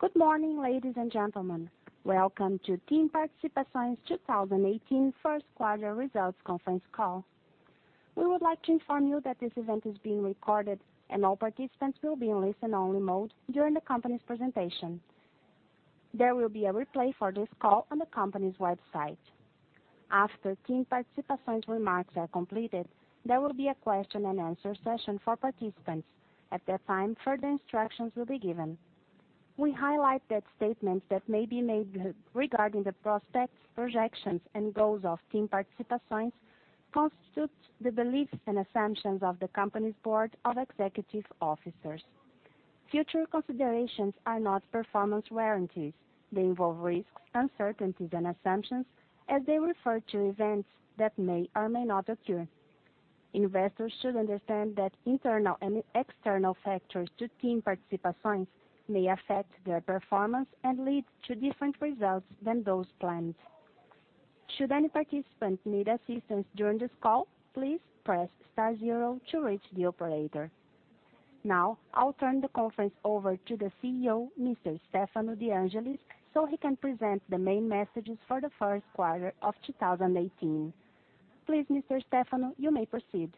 Good morning, ladies and gentlemen. Welcome to TIM Participações 2018 first quarter results conference call. We would like to inform you that this event is being recorded, and all participants will be in listen-only mode during the company's presentation. There will be a replay for this call on the company's website. After TIM Participações remarks are completed, there will be a question and answer session for participants. At that time, further instructions will be given. We highlight that statements that may be made regarding the prospects, projections, and goals of TIM Participações constitute the beliefs and assumptions of the company's Board of Executive Officers. Future considerations are not performance warranties. They involve risks, uncertainties, and assumptions as they refer to events that may or may not occur. Investors should understand that internal and external factors to TIM Participações may affect their performance and lead to different results than those planned. Should any participant need assistance during this call, please press star zero to reach the operator. I'll turn the conference over to the CEO, Mr. Stefano De Angelis, so he can present the main messages for the first quarter of 2018. Please, Mr. Stefano, you may proceed.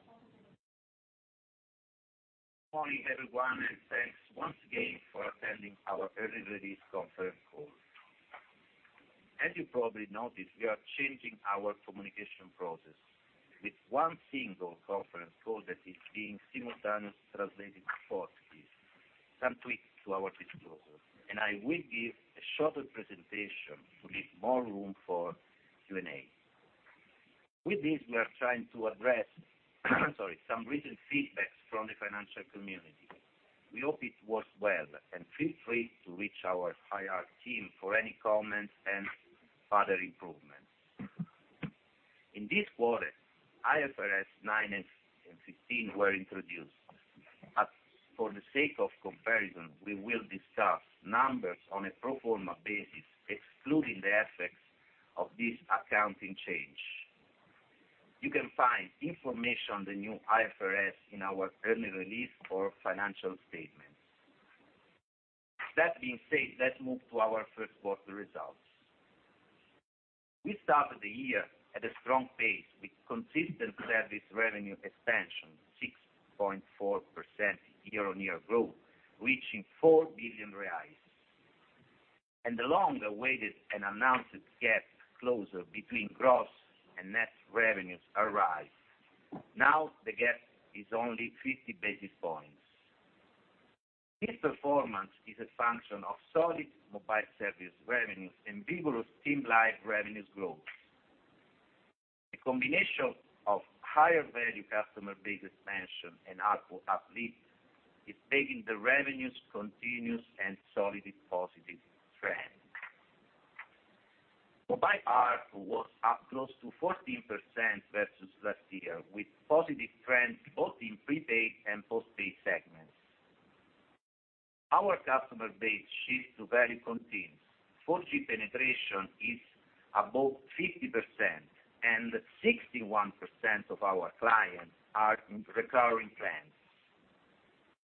Good morning, everyone. Thanks once again for attending our early release conference call. As you probably noticed, we are changing our communication process with one single conference call that is being simultaneously translated to Portuguese, some tweaks to our disclosure, and I will give a shorter presentation to leave more room for Q&A. With this, we are trying to address some recent feedbacks from the financial community. We hope it works well, and feel free to reach our IR team for any comments and further improvements. In this quarter, IFRS 9 and 15 were introduced. For the sake of comparison, we will discuss numbers on a pro forma basis, excluding the effects of this accounting change. You can find information on the new IFRS in our early release for financial statements. That being said, let's move to our first quarter results. We started the year at a strong pace with consistent service revenue expansion, 6.4% year-on-year growth, reaching 4 billion reais. The long-awaited and announced gap closer between gross and net revenues arose. Now the gap is only 50 basis points. This performance is a function of solid mobile service revenues and vigorous TIM Live revenues growth. A combination of higher value customer base expansion and ARPU uplift is taking the revenues continuous and solidly positive trend. Mobile ARPU was up close to 14% versus last year, with positive trends both in prepaid and postpaid segments. Our customer base shifts to value continues. 4G penetration is above 50%, and 61% of our clients are in recurring plans.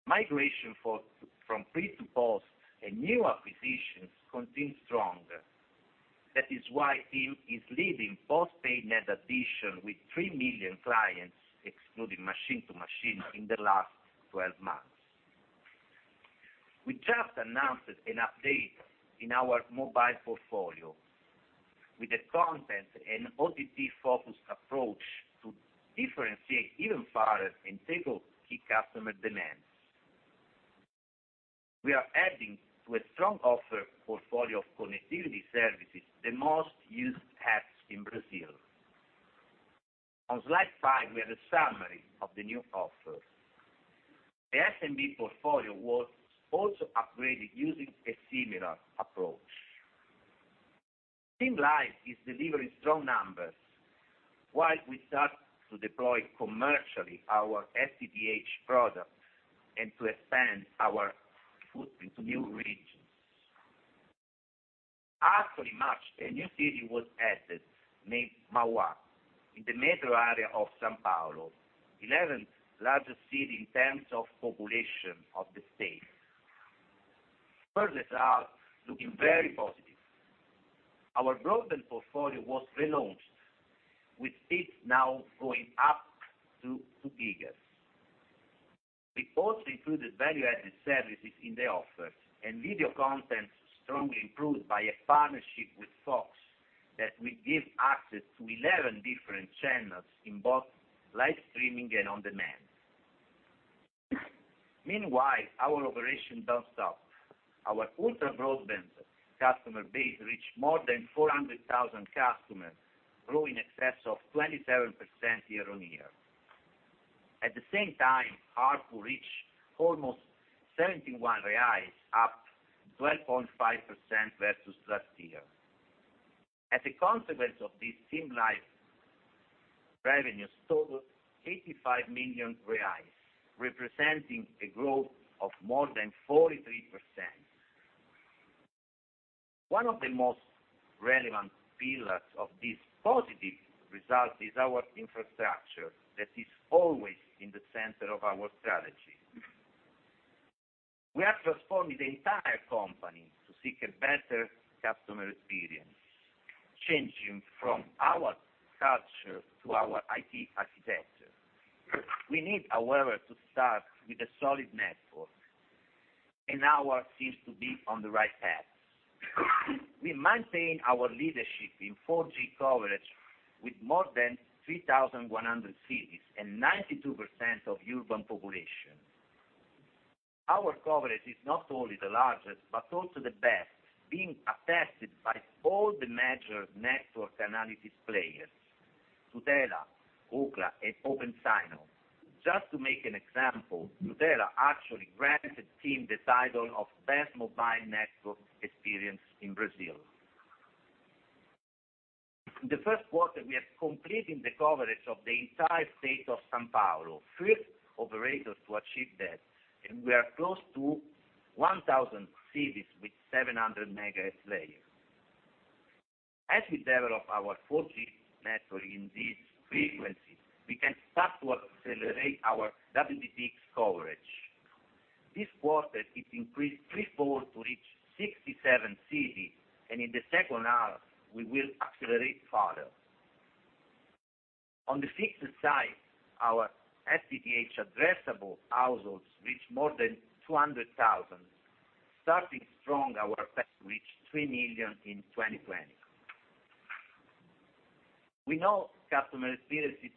Migration from pre to post and new acquisitions continue strong. That is why TIM is leading postpaid net addition with 3 million clients, excluding machine to machine, in the last 12 months. We just announced an update in our mobile portfolio with a content and OTT-focused approach to differentiate even further and tackle key customer demands. We are adding to a strong offer portfolio of connectivity services, the most used apps in Brazil. On slide five, we have a summary of the new offer. The SMB portfolio was also upgraded using a similar approach. TIM Live is delivering strong numbers while we start to deploy commercially our FTTH product and to expand our footprint to new regions. Actually, in March, a new city was added named Mauá in the metro area of São Paulo, 11th largest city in terms of population of the state. First results are looking very positive. Our broadband portfolio was relaunched, with speeds now going up to two gigas. We also included value-added services in the offer and video content strongly improved by a partnership with Fox that will give access to 11 different channels in both live streaming and on-demand. Meanwhile, our operation doesn't stop. Our ultra-broadband customer base reached more than 400,000 customers, growing in excess of 27% year-on-year. At the same time, ARPU reached almost 71 reais, up 12.5% versus last year. As a consequence of this TIM Live revenue totaled 85 million reais, representing a growth of more than 43%. One of the most relevant pillars of this positive result is our infrastructure that is always in the center of our strategy. We are transforming the entire company to seek a better customer experience, changing from our culture to our IT architecture. We need, however, to start with a solid network, and ours seems to be on the right path. We maintain our leadership in 4G coverage with more than 3,100 cities and 92% of urban population. Our coverage is not only the largest but also the best being attested by all the major network analysis players, RootMetrics, Ookla, and OpenSignal. Just to make an example, RootMetrics actually granted TIM the title of best mobile network experience in Brazil. In the first quarter, we are completing the coverage of the entire state of São Paulo, first operator to achieve that, and we are close to 1,000 cities with 700 megahertz layer. As we develop our 4G network in these frequencies, we can start to accelerate our WTTx coverage. This quarter, it increased threefold to reach 67 cities, and in the second half, we will accelerate further. On the fixed side, our FTTH addressable households reached more than 200,000, starting strong our path to reach 3 million in 2020. We know customer experience is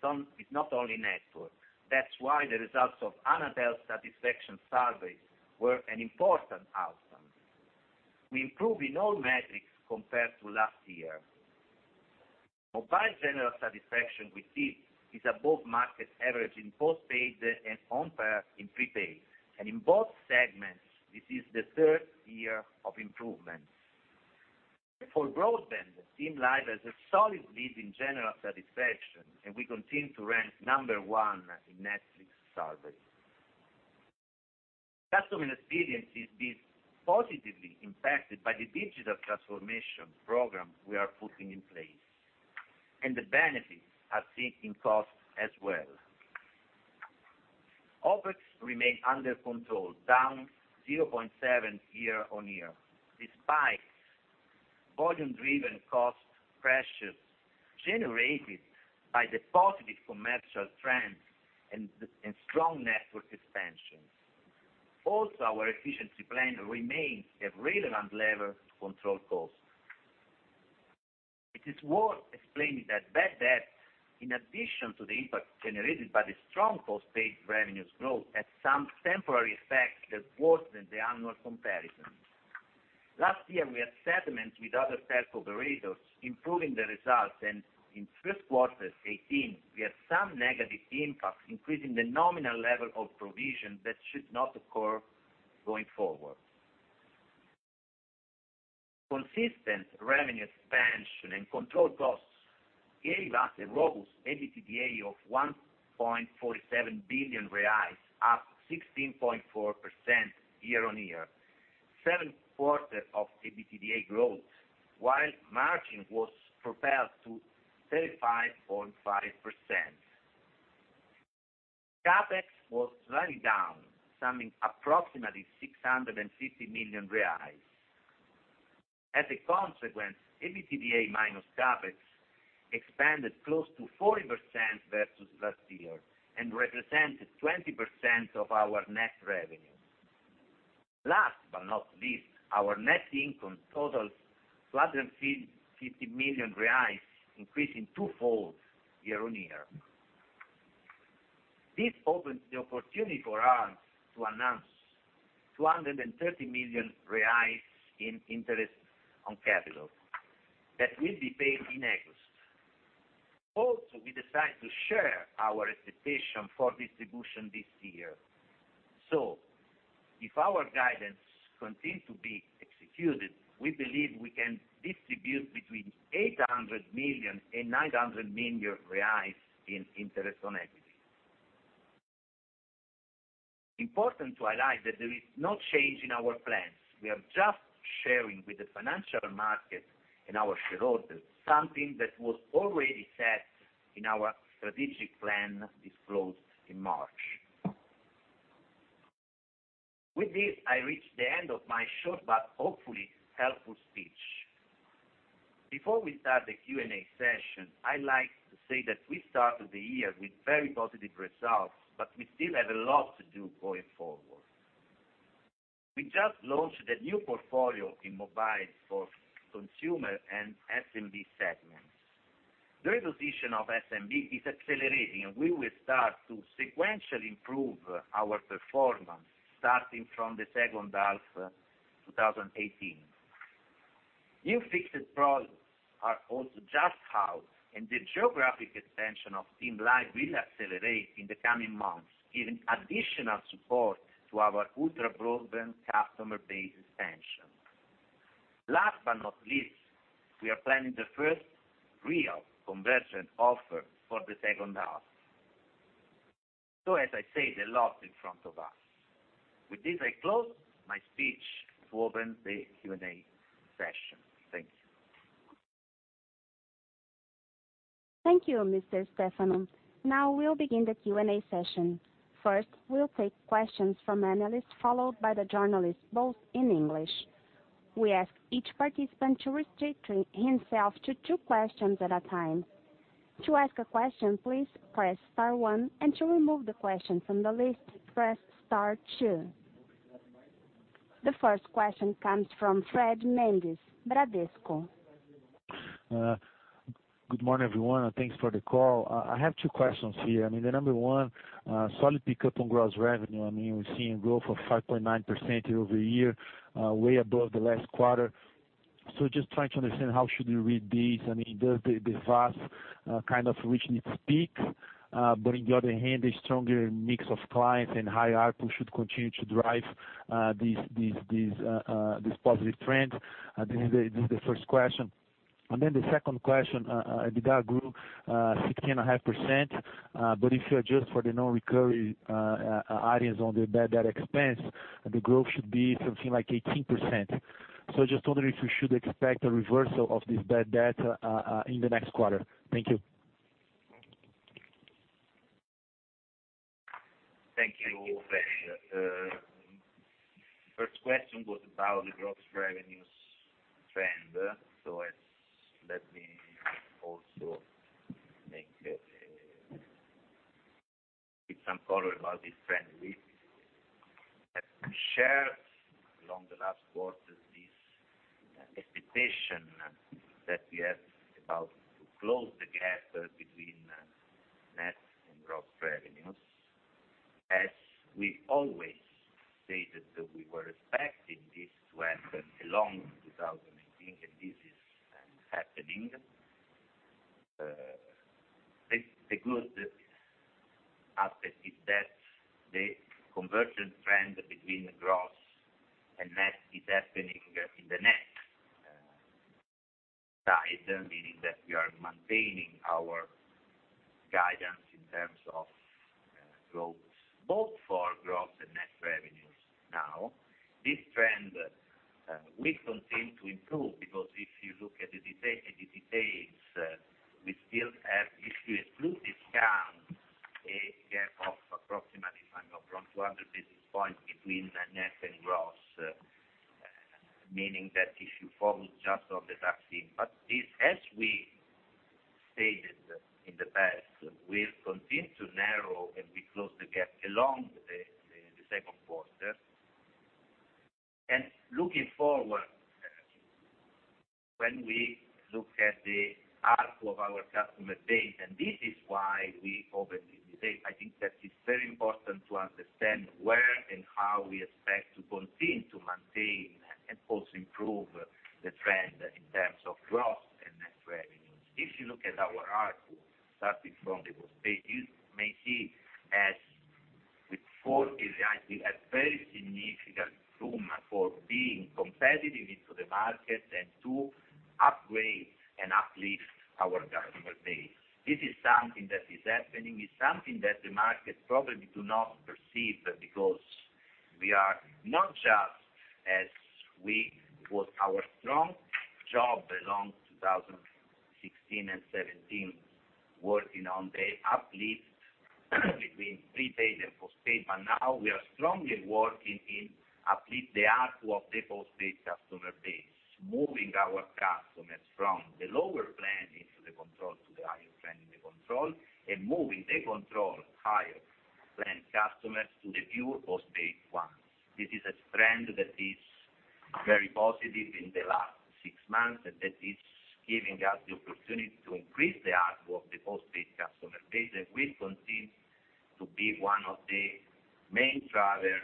not only network. That's why the results of Anatel satisfaction surveys were an important outcome. We improved in all metrics compared to last year. Mobile general satisfaction we see is above market average in postpaid and on par in prepaid. In both segments, this is the third year of improvement. For broadband, TIM Live has a solid lead in general satisfaction, and we continue to rank number 1 in Netflix survey. Customer experience is being positively impacted by the digital transformation program we are putting in place, and the benefits are seen in cost as well. OPEX remained under control, down 0.7 year-on-year, despite volume-driven cost pressures generated by the positive commercial trends and strong network expansion. Also, our efficiency plan remains a relevant lever to control costs. It is worth explaining that bad debt, in addition to the impact generated by the strong postpaid revenues growth, has some temporary effect that worsened the annual comparison. Last year, we had settlements with other service operators improving the results, and in first quarter 2018, we had some negative impact increasing the nominal level of provision that should not occur going forward. Consistent revenue expansion and controlled costs gave us a robust EBITDA of 1.47 billion reais, up 16.4% year-on-year. Seventh quarter of EBITDA growth, while margin was propelled to 35.5%. CapEx was slightly down, summing approximately 650 million reais. As a consequence, EBITDA minus CapEx expanded close to 40% versus last year and represented 20% of our net revenue. Last but not least, our net income totals 250 million reais, increasing twofold year-on-year. This opens the opportunity for us to announce 230 million reais in interest on capital that will be paid in August. Also, we decided to share our expectation for distribution this year. If our guidance continues to be executed, we believe we can distribute between 800 million and 900 million reais in interest on equity. Important to highlight that there is no change in our plans. We are just sharing with the financial market and our shareholders something that was already set in our strategic plan disclosed in March. With this, I reach the end of my short but hopefully helpful speech. Before we start the Q&A session, I like to say that we started the year with very positive results, but we still have a lot to do going forward. We just launched a new portfolio in mobile for consumer and SMB segments. The reposition of SMB is accelerating, and we will start to sequentially improve our performance starting from the second half of 2018. New fixed products are also just out, and the geographic expansion of TIM Live will accelerate in the coming months, giving additional support to our ultra-broadband customer base expansion. Last but not least, we are planning the first real convergent offer for the second half. As I said, a lot in front of us. With this, I close my speech to open the Q&A session. Thank you. Thank you, Mr. Stefano. Now we'll begin the Q&A session. First, we'll take questions from analysts, followed by the journalists, both in English. We ask each participant to restrict himself to two questions at a time. To ask a question, please press star one, and to remove the question from the list, press star two. The first question comes from Fred Mendes, Bradesco. Good morning, everyone, thanks for the call. I have two questions here. Number one, solid pickup on gross revenue. We are seeing growth of 5.9% year-over-year, way above the last quarter. Just trying to understand how should we read this. Does the VAS kind of reach its peak? On the other hand, a stronger mix of clients and higher ARPU should continue to drive this positive trend. This is the first question. The second question, EBITDA grew 16.5%, but if you adjust for the non-recurring items on the bad debt expense, the growth should be something like 18%. Just wondering if we should expect a reversal of this bad debt in the next quarter. Thank you. Thank you, Fred. First question was about the gross revenues trend. Let me also give some color about this trend. We have shared along the last quarters this expectation that we have about to close the gap between net and gross revenues. We always stated that we were expecting this to happen along 2019, and this is happening. The good aspect is that the conversion trend between gross and net is happening in the net side, meaning that we are maintaining our guidance in terms of growth, both for gross and net revenues now. This trend will continue to improve, because if you look at the details, if you exclude discounts, a gap of approximately 500, from 200 basis points between net and gross, meaning that if you focus just on the tax impact. We stated in the past, we will continue to narrow and we close the gap along the second quarter. Looking forward, when we look at the ARPU of our customer base, and this is why we opened this debate. I think that it is very important to understand where and how we expect to continue to maintain and also improve the trend in terms of gross and net revenues. If you look at our ARPU, starting from the first page, you may see as with 4G, we have very significant room for being competitive into the market and to upgrade and uplift our customer base. This is something that is happening. It is something that the market probably do not perceive because we are not just as we put our strong job along 2016 and 2017 working on the uplift between prepaid and postpaid, but now we are strongly working in uplift the ARPU of the postpaid customer base, moving our customers from the lower plan into the TIM Controle to the higher plan in the TIM Controle, and moving the TIM Controle higher plan customers to the pure postpaid ones. This is a trend that is very positive in the last six months, and that is giving us the opportunity to increase the ARPU of the postpaid customer base, and will continue to be one of the main driver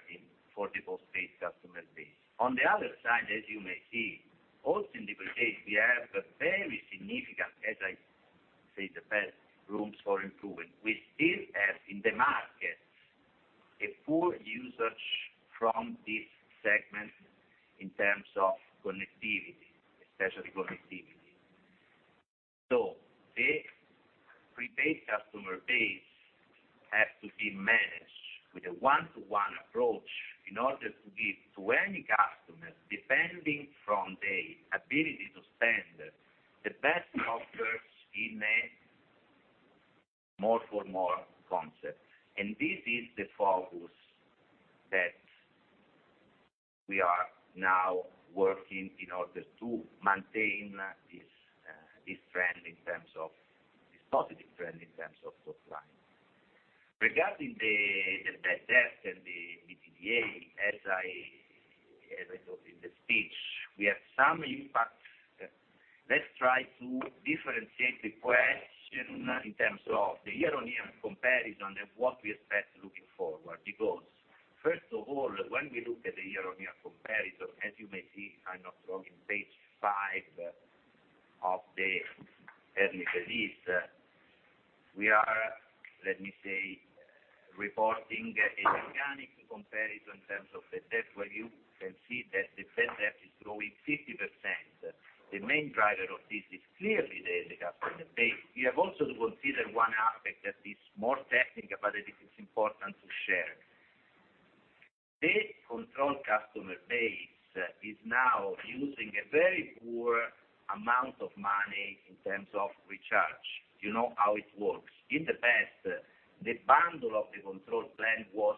for the postpaid customer base. On the other side, as you may see, also in the prepaid, we have a very significant, as I said in the past, rooms for improvement. We still have in the market a poor usage from this segment in terms of connectivity, especially connectivity. The prepaid customer base has to be managed with a one-to-one approach in order to give to any customer, depending from the ability to spend, the best offers in a more for more concept. This is the focus that we are now working in order to maintain this positive trend in terms of top line. Regarding the bad debt and the EBITDA, as I thought in the speech, we have some impact. Let's try to differentiate the question in terms of the year-on-year comparison and what we expect looking forward. First of all, when we look at the year-on-year comparison, as you may see, if I'm not wrong, in page five of the earnings release, we are, let me say, reporting an organic comparison in terms of the debt, where you can see that the bad debt is growing 50%. The main driver of this is clearly the customer base. We have also to consider one aspect that is more technical, but it is important to share. The control customer base is now using a very poor amount of money in terms of recharge. You know how it works. In the past, the bundle of the control plan was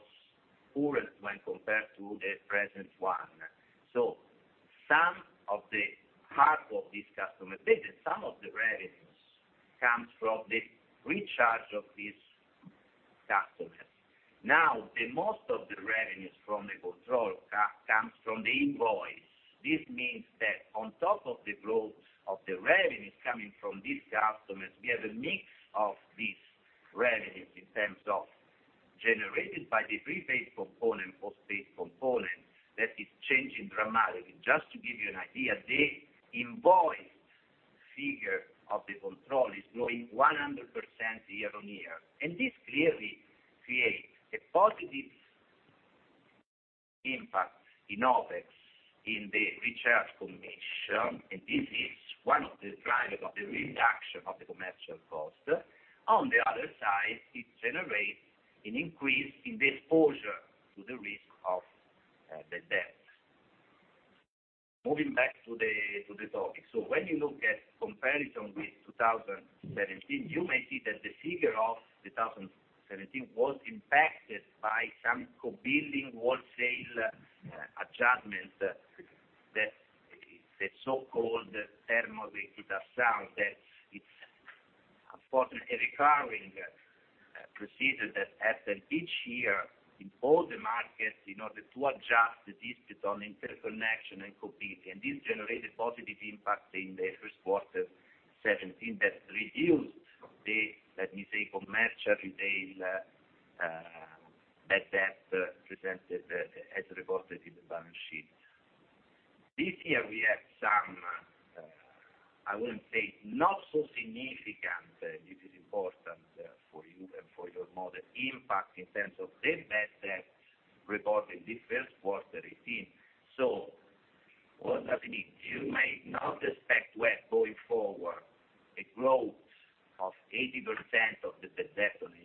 poorer when compared to the present one. Some of the ARPU of this customer base and some of the revenues comes from the recharge of these customers. Now, the most of the revenues from the control comes from the invoice. This means that on top of the growth of the revenues coming from these customers, we have a mix of these revenues in terms of generated by the prepaid component, postpaid component that is changing dramatically. Just to give you an idea, the invoice figure of the control is growing 100% year-on-year. This clearly creates a positive impact in OpEx in the recharge commission, and this is one of the drivers of the reduction of the commercial cost. On the other side, it generates an increase in the exposure to the risk of the debt. Moving back to the topic. When you look at comparison with 2017, you may see that the figure of 2017 was impacted by some co-billing wholesale adjustment that the so-called term of the result that it's unfortunately a recurring procedure that happens each year in all the markets in order to adjust the dispute on interconnection and co-billing. This generated positive impact in the first quarter 2017. That reduced the, let me say, commercial retail bad debt presented as reported in the balance sheet. This year, we have some, I wouldn't say not so significant, this is important for you and for your model, impact in terms of the bad debt reported this first quarter 2018. What happening? You may not expect we're going forward a growth of 80% of the bad debt on a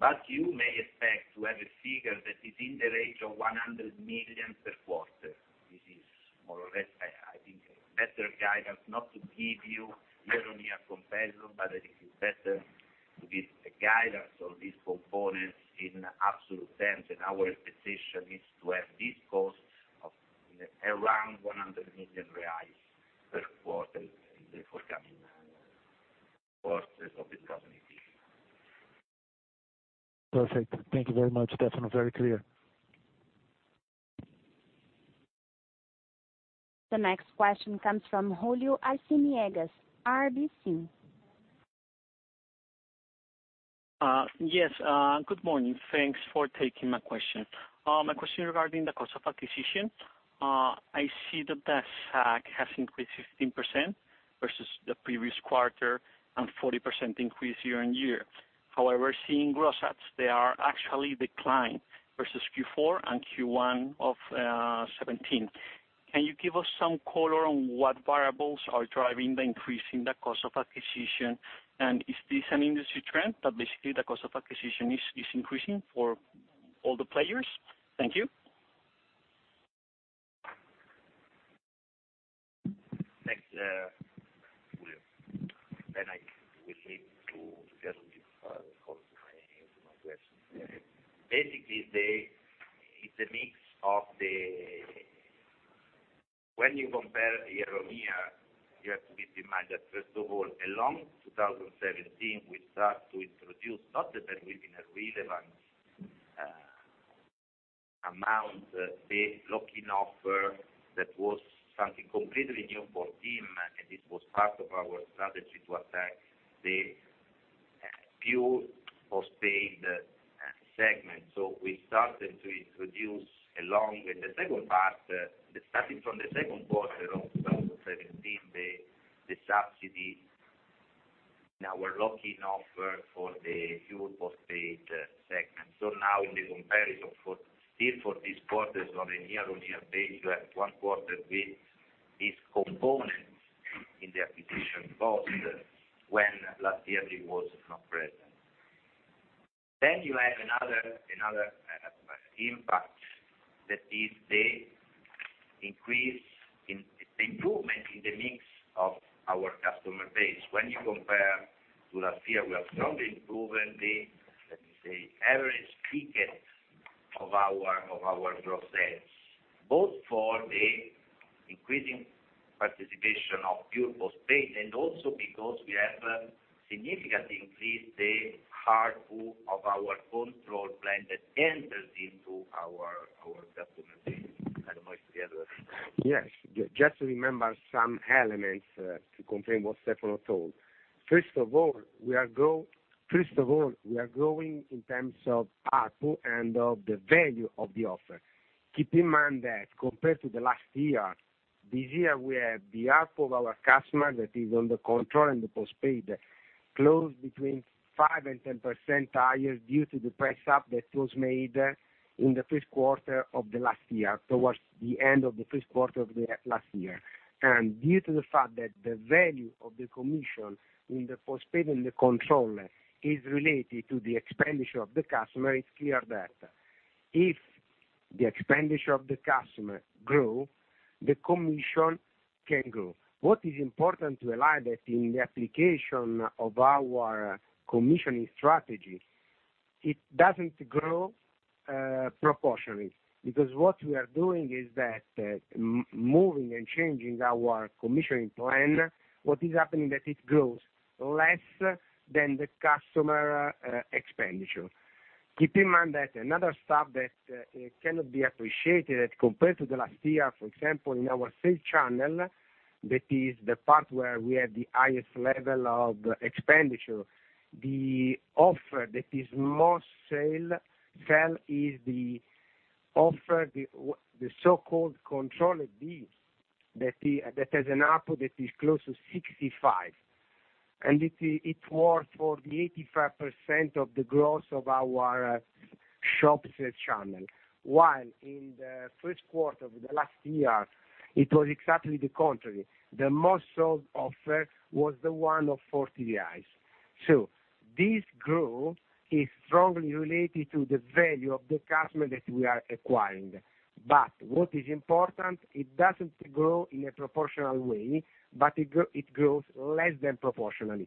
year-on-year comparison, but you may expect to have a figure that is in the range of 100 million per quarter. This is more or less, I think, a better guidance not to give you year-on-year comparison, but it is better to give a guidance on this component in absolute terms. Our expectation is to have this cost of around 100 million reais per quarter in the forthcoming quarters of this current year. Perfect. Thank you very much, Stefano. Very clear. The next question comes from Julio Arciniegas, RBC. Yes. Good morning. Thanks for taking my question. My question regarding the cost of acquisition. I see that the CAC has increased 15% versus the previous quarter and 40% increase year-on-year. However, seeing gross adds, they are actually declined versus Q4 and Q1 of 2017. Can you give us some color on what variables are driving the increase in the cost of acquisition? Is this an industry trend that basically the cost of acquisition is increasing for all the players? Thank you. I will leave to Pietro the call to my question. Basically, it's a mix of the When you compare year-on-year, you have to keep in mind that first of all, along 2017, we start to introduce not that there will be a relevant amount, the lock-in offer that was something completely new for TIM, and this was part of our strategy to attack the pure postpaid segment. We started to introduce along with the second part, starting from the second quarter of 2017, the subsidy in our lock-in offer for the pure postpaid segment. Now in the comparison for still for this quarter on a year-on-year base, you have one quarter with this component in the acquisition cost when last year it was not present. You have another impact that is the increase in the improvement in the mix of our customer base. When you compare to last year, we have strongly improved the, let me say, average ticket of our process, both for the increasing participation of pure postpaid and also because we have significantly increased the ARPU of our Controle plan that enters into our customer base. I don't know if Pietro Yes. Just remember some elements to confirm what Stefano told. First of all, we are growing in terms of ARPU and of the value of the offer. Keep in mind that compared to the last year, this year, we have the ARPU of our customer that is on the Controle and the postpaid close between 5% and 10% higher due to the price up that was made in the first quarter of last year, towards the end of the first quarter of last year. And due to the fact that the value of the commission in the postpaid and the Controle is related to the expenditure of the customer, it's clear that if the expenditure of the customer grows, the commission can grow. What is important to rely that in the application of our commissioning strategy, it doesn't grow proportionally, because what we are doing is that moving and changing our commissioning plan, what is happening that it grows less than the customer expenditure. Keep in mind that another stuff that cannot be appreciated compared to the last year, for example, in our sales channel, that is the part where we have the highest level of expenditure. The offer that is most sold is the offer, the so-called Controle deals that has an ARPU that is close to 65. It worth for the 85% of the growth of our shop sales channel. While in the first quarter of last year, it was exactly the contrary. The most sold offer was the one of 40 reais. This growth is strongly related to the value of the customer that we are acquiring. What is important, it doesn't grow in a proportional way, it grows less than proportionally.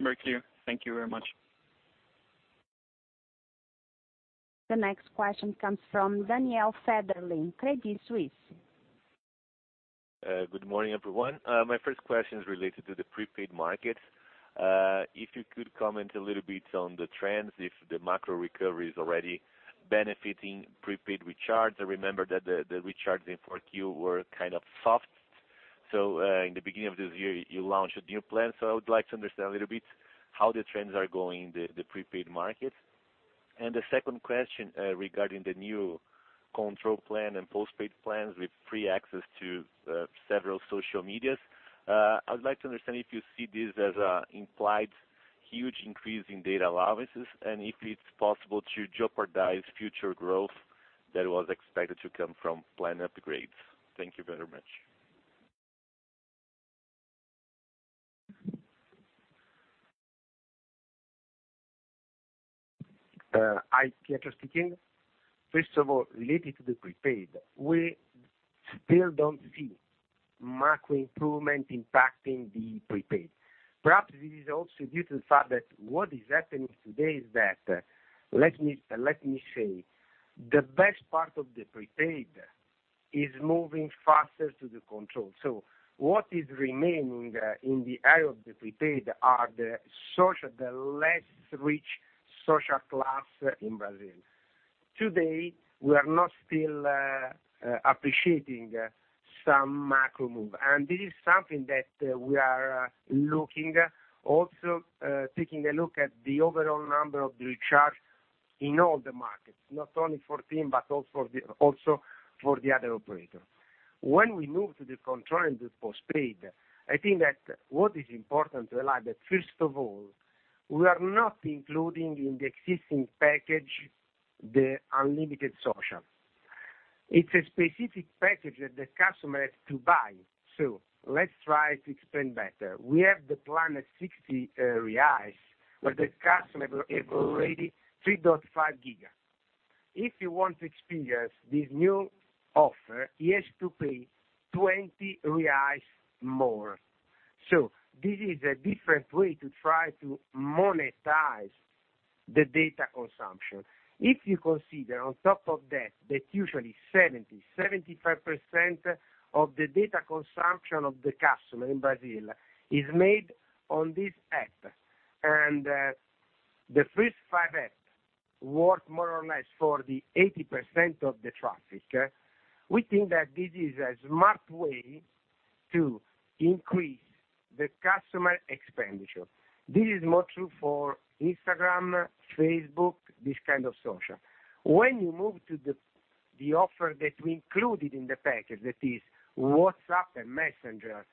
Very clear. Thank you very much. The next question comes from Daniel Federle, Credit Suisse. Good morning, everyone. My first question is related to the prepaid market. You could comment a little bit on the trends, the macro recovery is already benefiting prepaid recharge. I remember that the recharge in 4Q were kind of soft. In the beginning of this year, you launched a new plan. I would like to understand a little bit how the trends are going in the prepaid market. The second question regarding the new TIM Controle plan and postpaid plans with free access to several social medias. I would like to understand if you see this as an implied huge increase in data allowances and if it's possible to jeopardize future growth that was expected to come from plan upgrades. Thank you very much. Pietro speaking. First of all, related to the prepaid, we still don't see macro improvement impacting the prepaid. Perhaps this is also due to the fact that what is happening today is that, let me say, the best part of the prepaid is moving faster to the control. What is remaining in the area of the prepaid are the less rich social class in Brazil. Today, we are not still appreciating some macro move, and this is something that we are looking. Also taking a look at the overall number of the recharge in all the markets, not only for TIM but also for the other operator. When we move to the control and the postpaid, I think that what is important to rely that, first of all, we are not including in the existing package the unlimited social. It's a specific package that the customer has to buy. Let's try to explain better. We have the plan at 60 reais where the customer have already 3.5 GB. If he want to experience this new offer, he has to pay 20 reais more. This is a different way to try to monetize the data consumption. If you consider on top of that usually 70%-75% of the data consumption of the customer in Brazil is made on these apps, and the first five app worth more or less for the 80% of the traffic, we think that this is a smart way to increase the customer expenditure. This is more true for Instagram, Facebook, this kind of social. You move to the offer that we included in the package, that is WhatsApp and Messenger,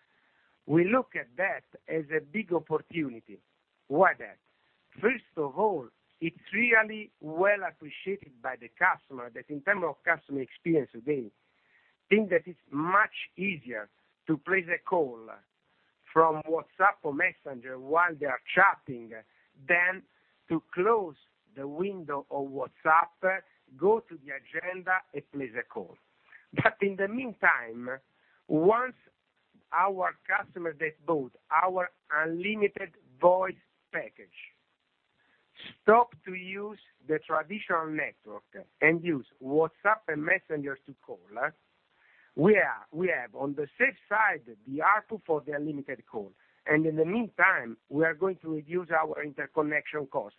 we look at that as a big opportunity. Why that? First of all, it's really well appreciated by the customer, that in term of customer experience today, think that it's much easier to place a call from WhatsApp or Messenger while they are chatting than to close the window of WhatsApp, go to the agenda, and place a call. In the meantime, once our customer that bought our unlimited voice package stop to use the traditional network and use WhatsApp and Messenger to call, we have on the safe side the ARPU for the unlimited call. In the meantime, we are going to reduce our interconnection cost.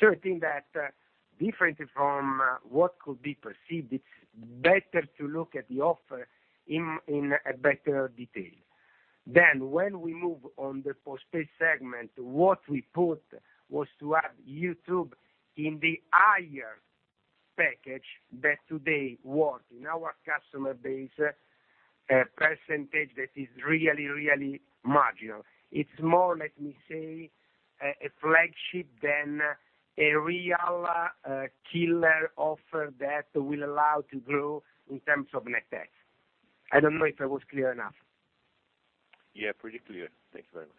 I think that differently from what could be perceived, it's better to look at the offer in a better detail. When we move on the postpaid segment, what we put was to add YouTube in the higher package that today work in our customer base, a percentage that is really marginal. It's more, let me say, a flagship than a real killer offer that will allow to grow in terms of net adds. I don't know if I was clear enough. Yeah, pretty clear. Thank you very much.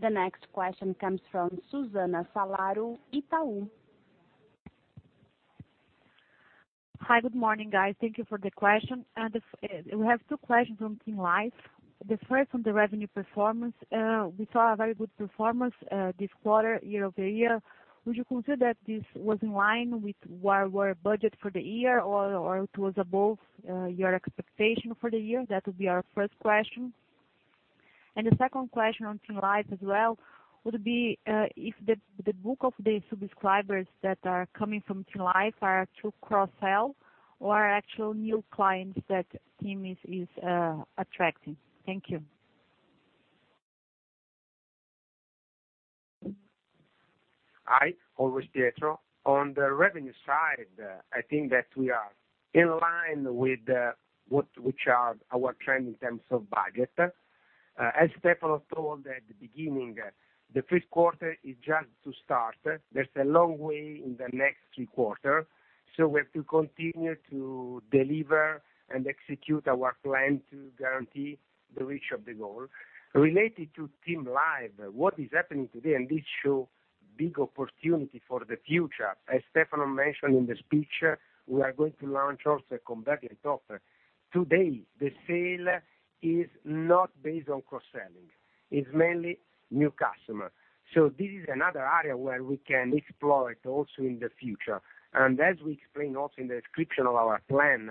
The next question comes from Susana Salgado, Itaú. Hi, good morning, guys. Thank you for the question. We have two questions on TIM Live. The first on the revenue performance. We saw a very good performance this quarter, year-over-year. Would you consider that this was in line with what were budget for the year, or it was above your expectation for the year? That would be our first question. The second question on TIM Live as well would be, if the book of the subscribers that are coming from TIM Live are through cross-sell or actual new clients that TIM is attracting. Thank you. Hi, always Pietro. On the revenue side, I think that we are in line with what are our trend in terms of budget. Stefano told at the beginning, the first quarter is just to start. There's a long way in the next three quarter, we have to continue to deliver and execute our plan to guarantee the reach of the goal. Related to TIM Live, what is happening today, and this show big opportunity for the future, as Stefano mentioned in the speech, we are going to launch also a convergent offer. Today, the sale is not based on cross-selling. It's mainly new customer. This is another area where we can explore it also in the future. As we explain also in the description of our plan,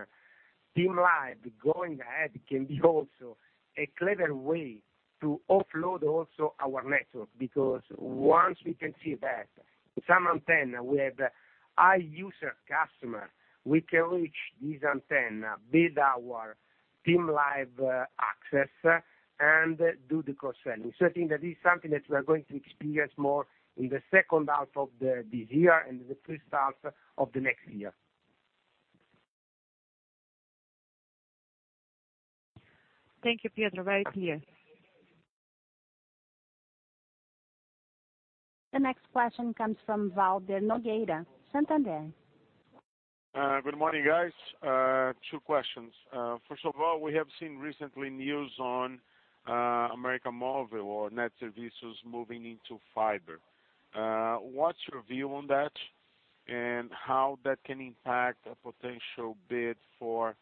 TIM Live going ahead can be also a clever way to offload also our network, because once we can see that in some antenna, we have high user customer, we can reach this antenna, build our TIM Live access, and do the cross-selling. I think that is something that we are going to experience more in the second half of this year and the first half of the next year. Thank you, Pietro. Very clear. The next question comes from Valder Nogueira, Santander. Good morning, guys. Two questions. First of all, we have seen recently news on América Móvil or NET Serviços moving into fiber. What's your view on that, and how that can impact a potential bid for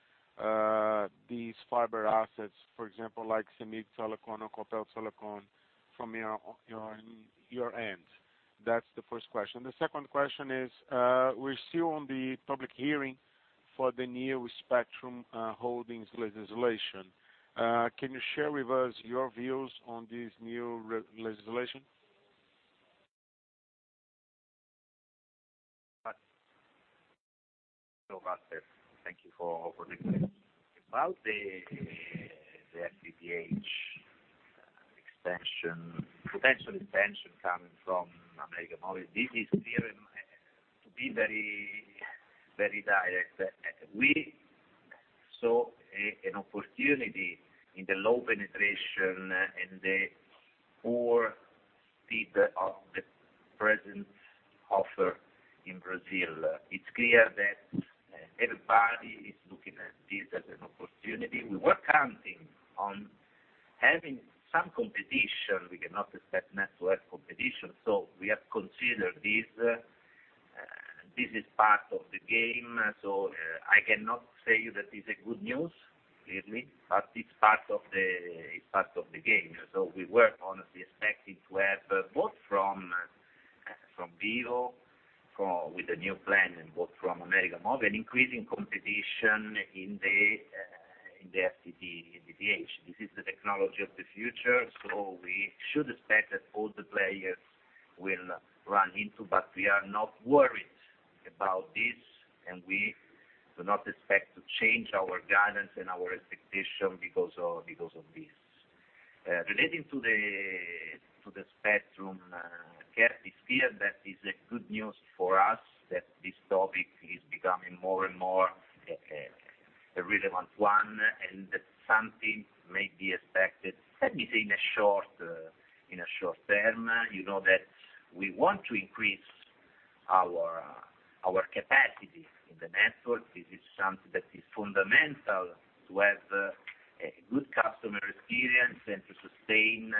these fiber assets, for example, like Cemig Telecom or Copel Telecom from your end? That's the first question. The second question is, we're still on the public hearing for the new spectrum holdings legislation. Can you share with us your views on this new legislation? Hello, Valder. Thank you for the question. About the FTTH potential expansion coming from América Móvil, this is clear to be very direct. We saw an opportunity in the low penetration and the poor speed of the present offer in Brazil. It's clear that everybody is looking at this as an opportunity. We were counting on having some competition. We cannot expect not to have competition, we have considered this. This is part of the game, I cannot say that this is a good news, clearly, but it's part of the game. We were honestly expecting to have, both from Vivo, with the new plan, and both from América Móvil, increasing competition in the FTTH. This is the technology of the future, we should expect that all the players will run into, but we are not worried about this, and we do not expect to change our guidance and our expectation because of this. Relating to the spectrum, yes, it's clear that it's a good news for us that this topic is becoming more and more a relevant one, and that something may be expected, let me say, in a short term. You know that we want to increase our capacity in the network. This is something that is fundamental to have a good customer experience and to sustain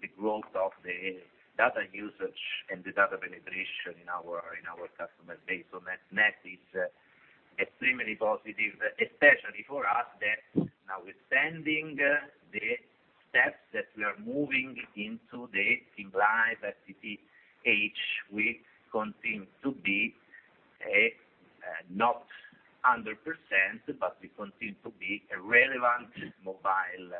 the growth of the data usage and the data penetration in our customer base. Net is extremely positive, especially for us that notwithstanding the steps that we are moving into the TIM Live FTTH, we continue to be not 100%, but we continue to be a relevant mobile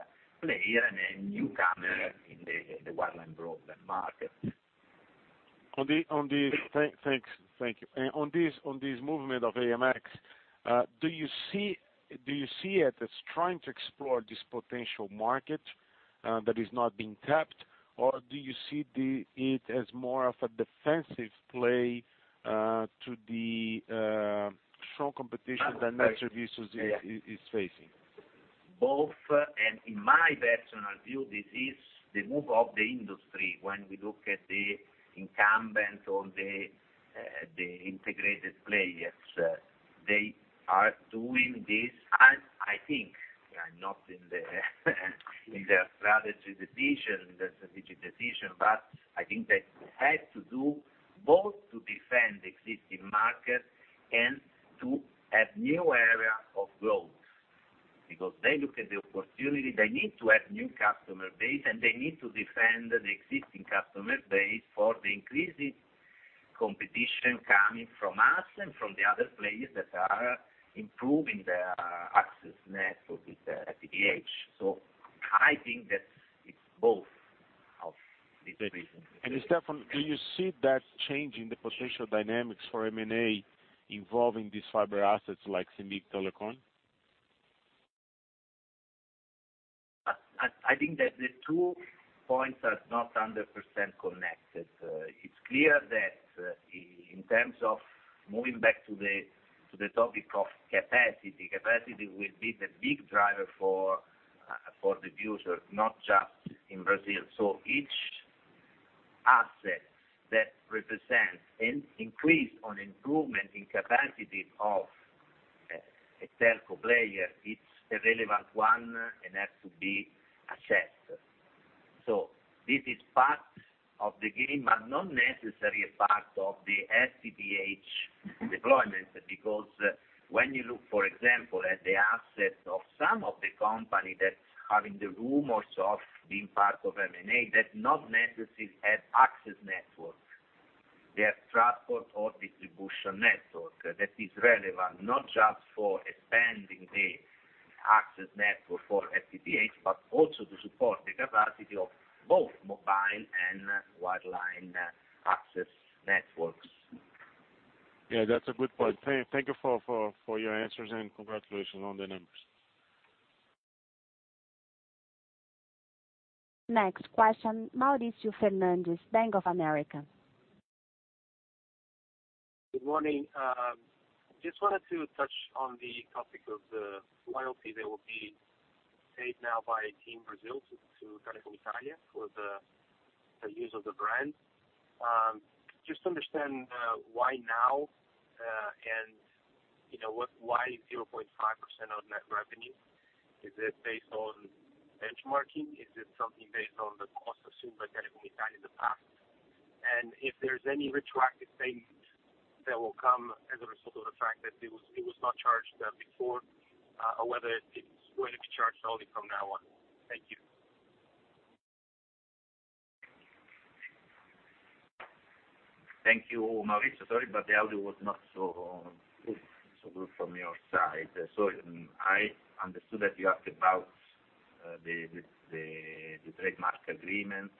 player and a newcomer in the wireline broadband market. Thank you. On this movement of AMX, do you see it as trying to explore this potential market that is not being tapped, or do you see it as more of a defensive play to the strong competition that NET is facing? Both, and in my personal view, this is the move of the industry when we look at the incumbent or the integrated players. They are doing this, and I think we are not in the strategic decision, but I think they had to do both to defend existing market and to have new area of growth. Because they look at the opportunity, they need to have new customer base, and they need to defend the existing customer base for the increasing competition coming from us and from the other players that are improving their access network with FTTH. I think that it's both of these reasons. Stefano, do you see that changing the potential dynamics for M&A involving these fiber assets like Cemig Telecom? I think that the two points are not 100% connected. It's clear that in terms of moving back to the topic of capacity will be the big driver for the future, not just in Brazil. Each asset that represents an increase or improvement in capacity of a telco player, it's a relevant one and has to be assessed. This is part of the game, but not necessarily a part of the FTTH deployment. Because when you look, for example, at the assets of some of the company that's having the rumors of being part of M&A that not necessarily have access network, they have transport or distribution network. That is relevant not just for expanding the access network for FTTH, but also to support the capacity of both mobile and wireline access networks. Yeah, that's a good point. Thank you for your answers, and congratulations on the numbers. Next question, Mauricio Fernandes, Bank of America. Good morning. Just wanted to touch on the topic of the royalty that will be paid now by TIM Brasil to Telecom Italia for the use of the brand. Just to understand why now, and why 0.5% of net revenue? Is it based on benchmarking? Is it something based on the cost assumed by Telecom Italia in the past? If there's any retroactive payment that will come as a result of the fact that it was not charged before, or whether it's going to be charged only from now on. Thank you. Thank you, Mauricio. Sorry, the audio was not so good from your side. I understood that you asked about the trademark agreement.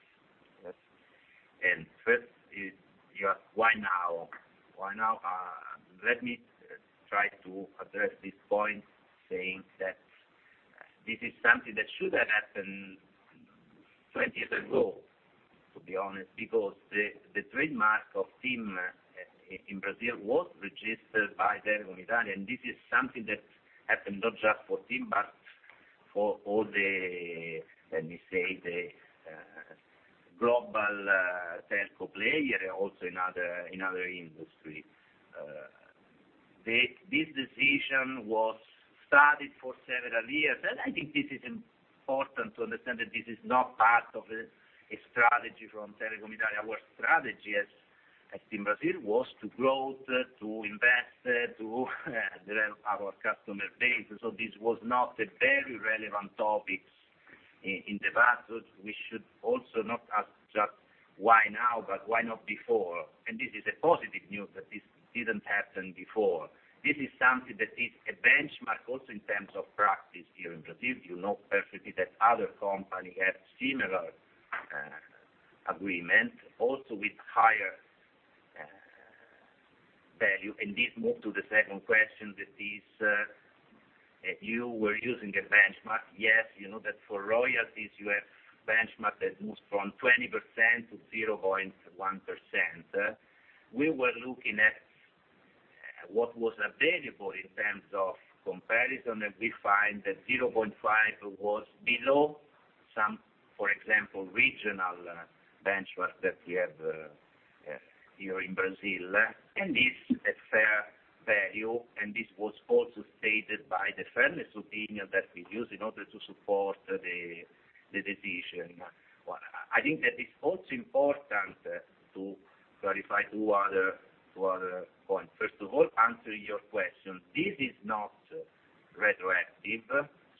First is you asked why now. Let me try to address this point saying that this is something that should have happened 20 years ago, to be honest, because the trademark of TIM Brasil was registered by Telecom Italia. This is something that happened not just for TIM, but for all the, let me say, the global telco player also in other industry. This decision was studied for several years. I think this is important to understand that this is not part of a strategy from Telecom Italia. Our strategy as TIM Brasil was to growth, to invest, to develop our customer base. This was not a very relevant topic in the past. We should also not ask just why now, but why not before? This is a positive news that this didn't happen before. This is something that is a benchmark also in terms of practice here in Brazil. You know perfectly that other company have similar agreement also with higher value. This move to the second question that is, you were using a benchmark. Yes, you know that for royalties, you have benchmark that moves from 20% to 0.1%. We were looking at what was available in terms of comparison. We find that 0.5% was below some, for example, regional benchmarks that we have here in Brazil. This a fair value. This was also stated by the fairness opinion that we use in order to support the decision. I think that it's also important to clarify two other points. First of all, to answer your question. This is not retroactive.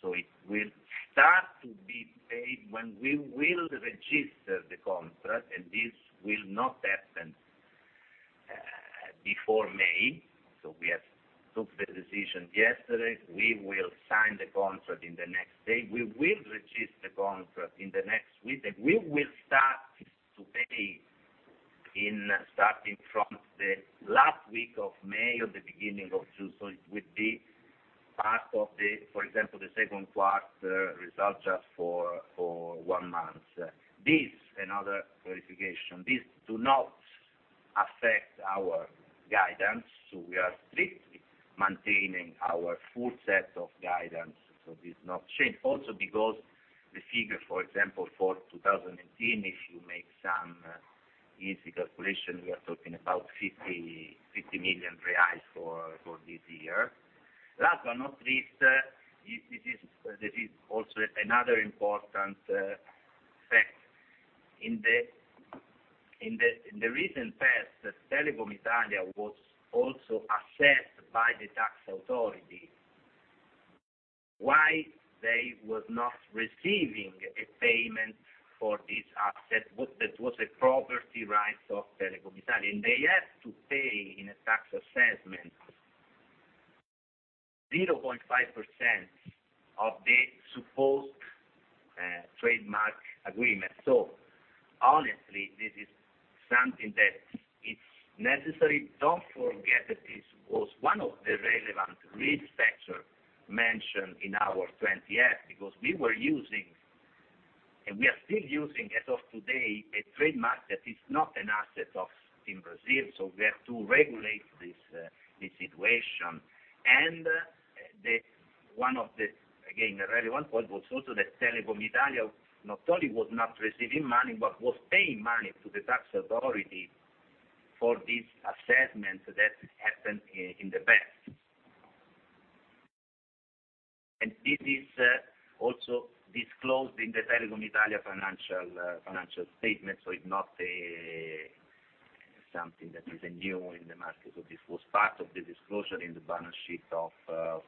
It will start to be paid when we will register the contract, and this will not happen before May. We took the decision yesterday. We will sign the contract in the next day. We will register the contract in the next week, and we will start to pay starting from the last week of May or the beginning of June. It will be part of the, for example, the second quarter results are for one month. This. Another clarification. This does not affect our guidance. We are strictly maintaining our full set of guidance. This does not change. Also because the figure, for example, for 2018, if you make some easy calculation, we are talking about 50 million reais for this year. Last but not least, this is also another important fact. In the recent past, Telecom Italia was also assessed by the tax authority why they were not receiving a payment for this asset, which was a property right of Telecom Italia. They have to pay in a tax assessment 0.5% of the supposed trademark agreement. Honestly, this is something that it is necessary. Do not forget that this was one of the relevant risk factors mentioned in our 20F because we were using, and we are still using as of today, a trademark that is not an asset of TIM Brasil. We have to regulate this situation. One of the, again, relevant points was also that Telecom Italia not only was not receiving money, but was paying money to the tax authority for this assessment that happened in the past. This is also disclosed in the Telecom Italia financial statement. It is not something that is new in the market. This was part of the disclosure in the balance sheet of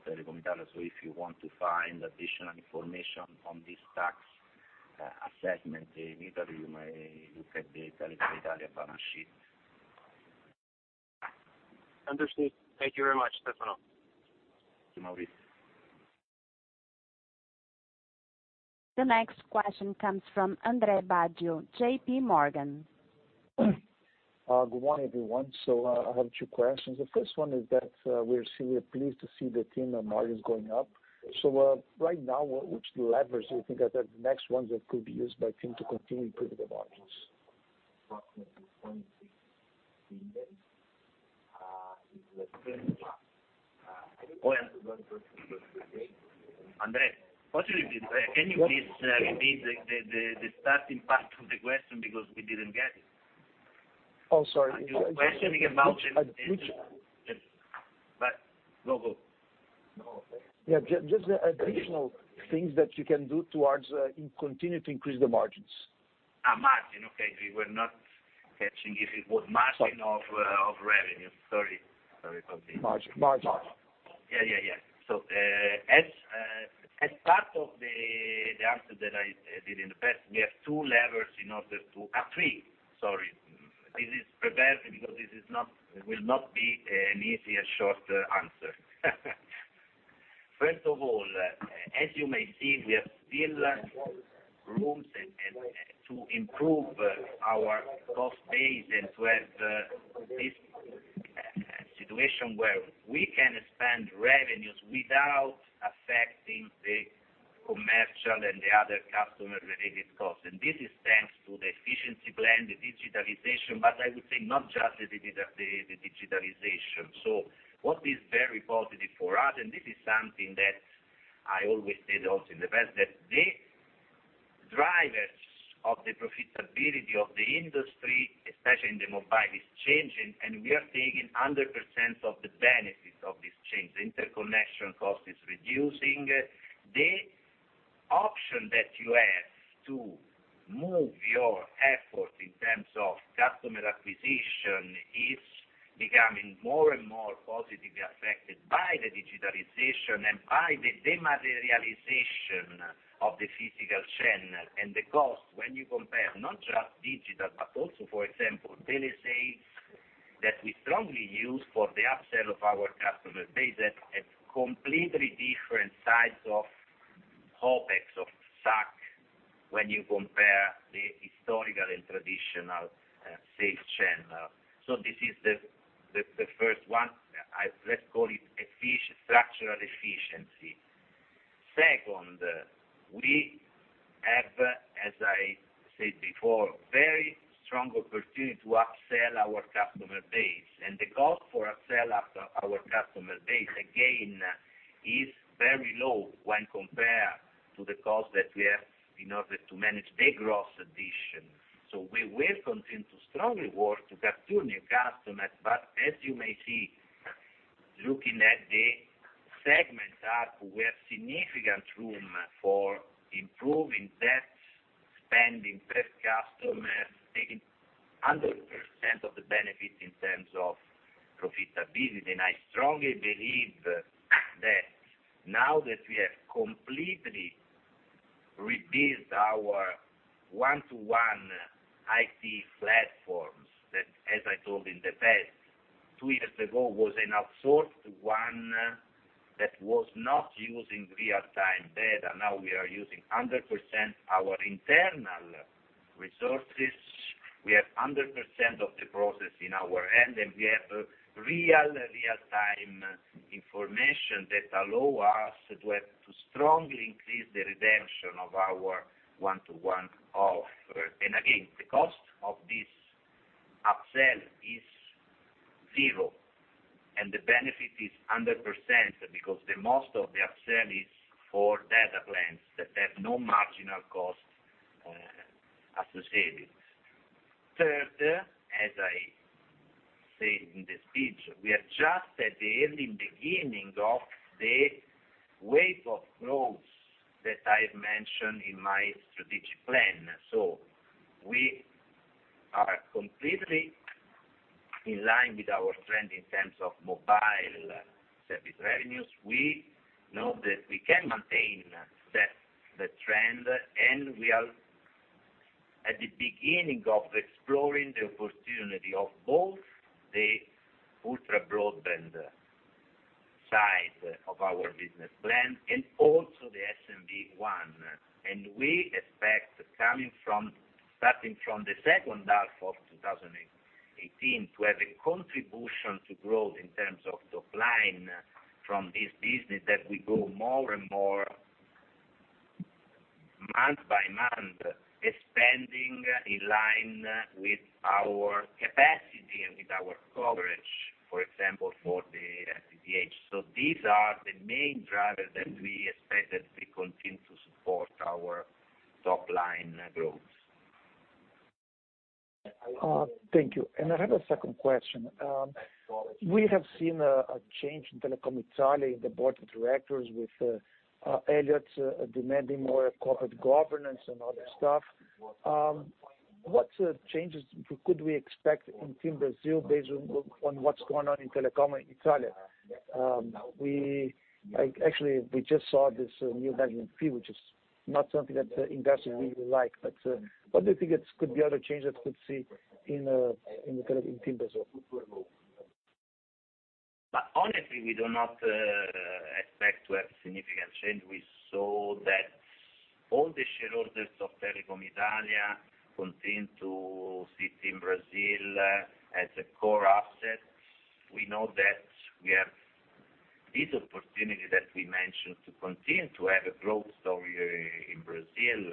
Telecom Italia. If you want to find additional information on this tax assessment in Italy, you may look at the Telecom Italia balance sheet. Understood. Thank you very much, Stefano. The next question comes from Andre Baggio, JPMorgan. Good morning, everyone. I have two questions. The first one is that we're pleased to see the TIM margins going up. Right now, which levers do you think are the next ones that could be used by TIM to continue improving the margins? Approximately BRL 26 billion in the first half. Andre, can you please repeat the starting part of the question because we didn't get it? Oh, sorry. Are you questioning about- Which- Go. Yeah, just the additional things that you can do towards continue to increase the margins. margin, okay. We were not catching if it was margin of revenue. Sorry. Sorry about this. Margin. Yeah. As part of the answer that I did in the past, we have two levers in order to Three, sorry. This is prepared because this will not be an easy and short answer. First of all, as you may see, we have still rooms to improve our cost base and to have this situation where we can expand revenues without affecting the commercial and the other customer related costs. This is thanks to the efficiency plan, the digitalization, but I would say not just the digitalization. What is very positive for us, and this is something that I always said also in the past, that the drivers of the profitability of the industry, especially in the mobile, is changing, and we are taking 100% of the benefit of this change. The interconnection cost is reducing. The option that you have to move your effort in terms of customer acquisition is becoming more and more positively affected by the digitalization and by the de-materialization of the physical channel. The cost when you compare not just digital, but also, for example, telesales, that we strongly use for the upsell of our customer base, that have completely different sides of OpEx, of SAC, when you compare the historical and traditional sales channel. This is the first one. Let's call it structural efficiency. Second, we have, as I said before, very strong opportunity to upsell our customer base. The cost for upsell our customer base, again, is very low when compared to the cost that we have in order to manage the gross addition. We will continue to strongly work to capture new customers. As you may see, looking at the segments ARPU, we have significant room for improving that spending per customer, taking 100% of the benefit in terms of profitability. I strongly believe that now that we have completely rebuild our one-to-one IT platforms that, as I told in the past, two years ago was an outsourced one that was not using real-time data. Now we are using 100% our internal resources. We have 100% of the process in our hand, and we have real-time information that allow us to strongly increase the redemption of our one-to-one offer. Again, the cost of this upsell is zero, and the benefit is 100% because the most of the upsell is for data plans that have no marginal cost associated. Third, as I say in the speech, we are just at the early beginning of the wave of growth that I mentioned in my strategic plan. We are completely in line with our trend in terms of mobile service revenues. We know that we can maintain the trend, and we are at the beginning of exploring the opportunity of both the ultra-broadband side of our business plan and also the SMB one. We expect starting from the second half of 2018 to have a contribution to growth in terms of top line from this business as we go more and more month by month, expanding in line with our capacity and with our coverage, for example, for the FTTH. These are the main drivers that we expect that will continue to support our top-line growth. Thank you. I have a second question. We have seen a change in Telecom Italia, the board of directors with Elliott demanding more corporate governance and other stuff. What changes could we expect in TIM Brasil based on what's going on in Telecom Italia? We just saw this new management fee, which is not something that investors really like, but what do you think could be other changes we could see in TIM Brasil? Honestly, we do not expect to have significant change. We saw that all the shareholders of Telecom Italia continue to see TIM Brasil as a core asset. We know that we have this opportunity that we mentioned to continue to have a growth story in Brazil.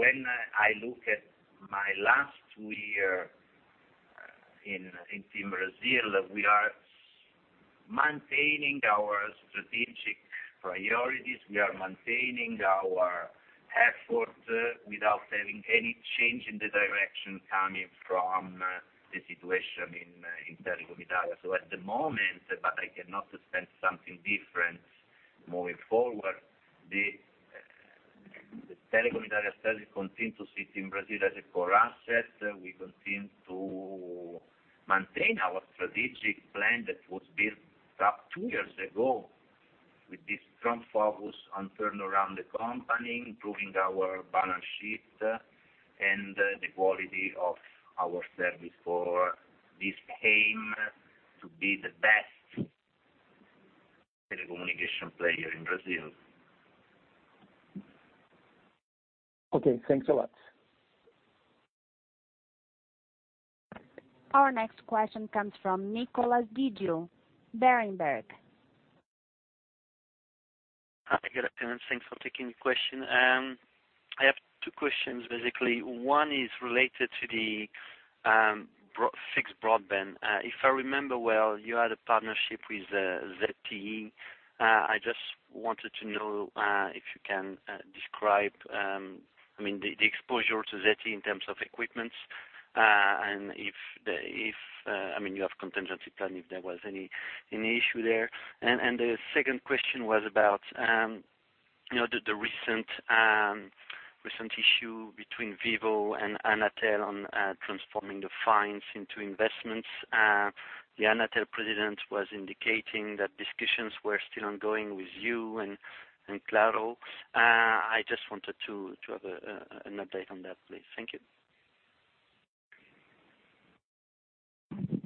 When I look at my last two year in TIM Brasil, we are maintaining our strategic priorities. We are maintaining our effort without having any change in the direction coming from the situation in Telecom Italia. At the moment, but I cannot expect something different moving forward, the Telecom Italia still continue to see TIM Brasil as a core asset. We continue to maintain our strategic plan that was built up two years ago with this strong focus on turnaround the company, improving our balance sheet, and the quality of our service for this aim to be the best telecommunication player in Brazil. Okay, thanks a lot. Our next question comes from Nicolas Didio, Berenberg. Hi, good afternoon. Thanks for taking the question. I have two questions, basically. One is related to the fixed broadband. If I remember well, you had a partnership with ZTE. I just wanted to know if you can describe the exposure to ZTE in terms of equipments, and if you have contingency plan, if there was any issue there. The second question was about the recent issue between Vivo and Anatel on transforming the fines into investments. The Anatel president was indicating that discussions were still ongoing with you and Claro. I just wanted to have an update on that, please. Thank you.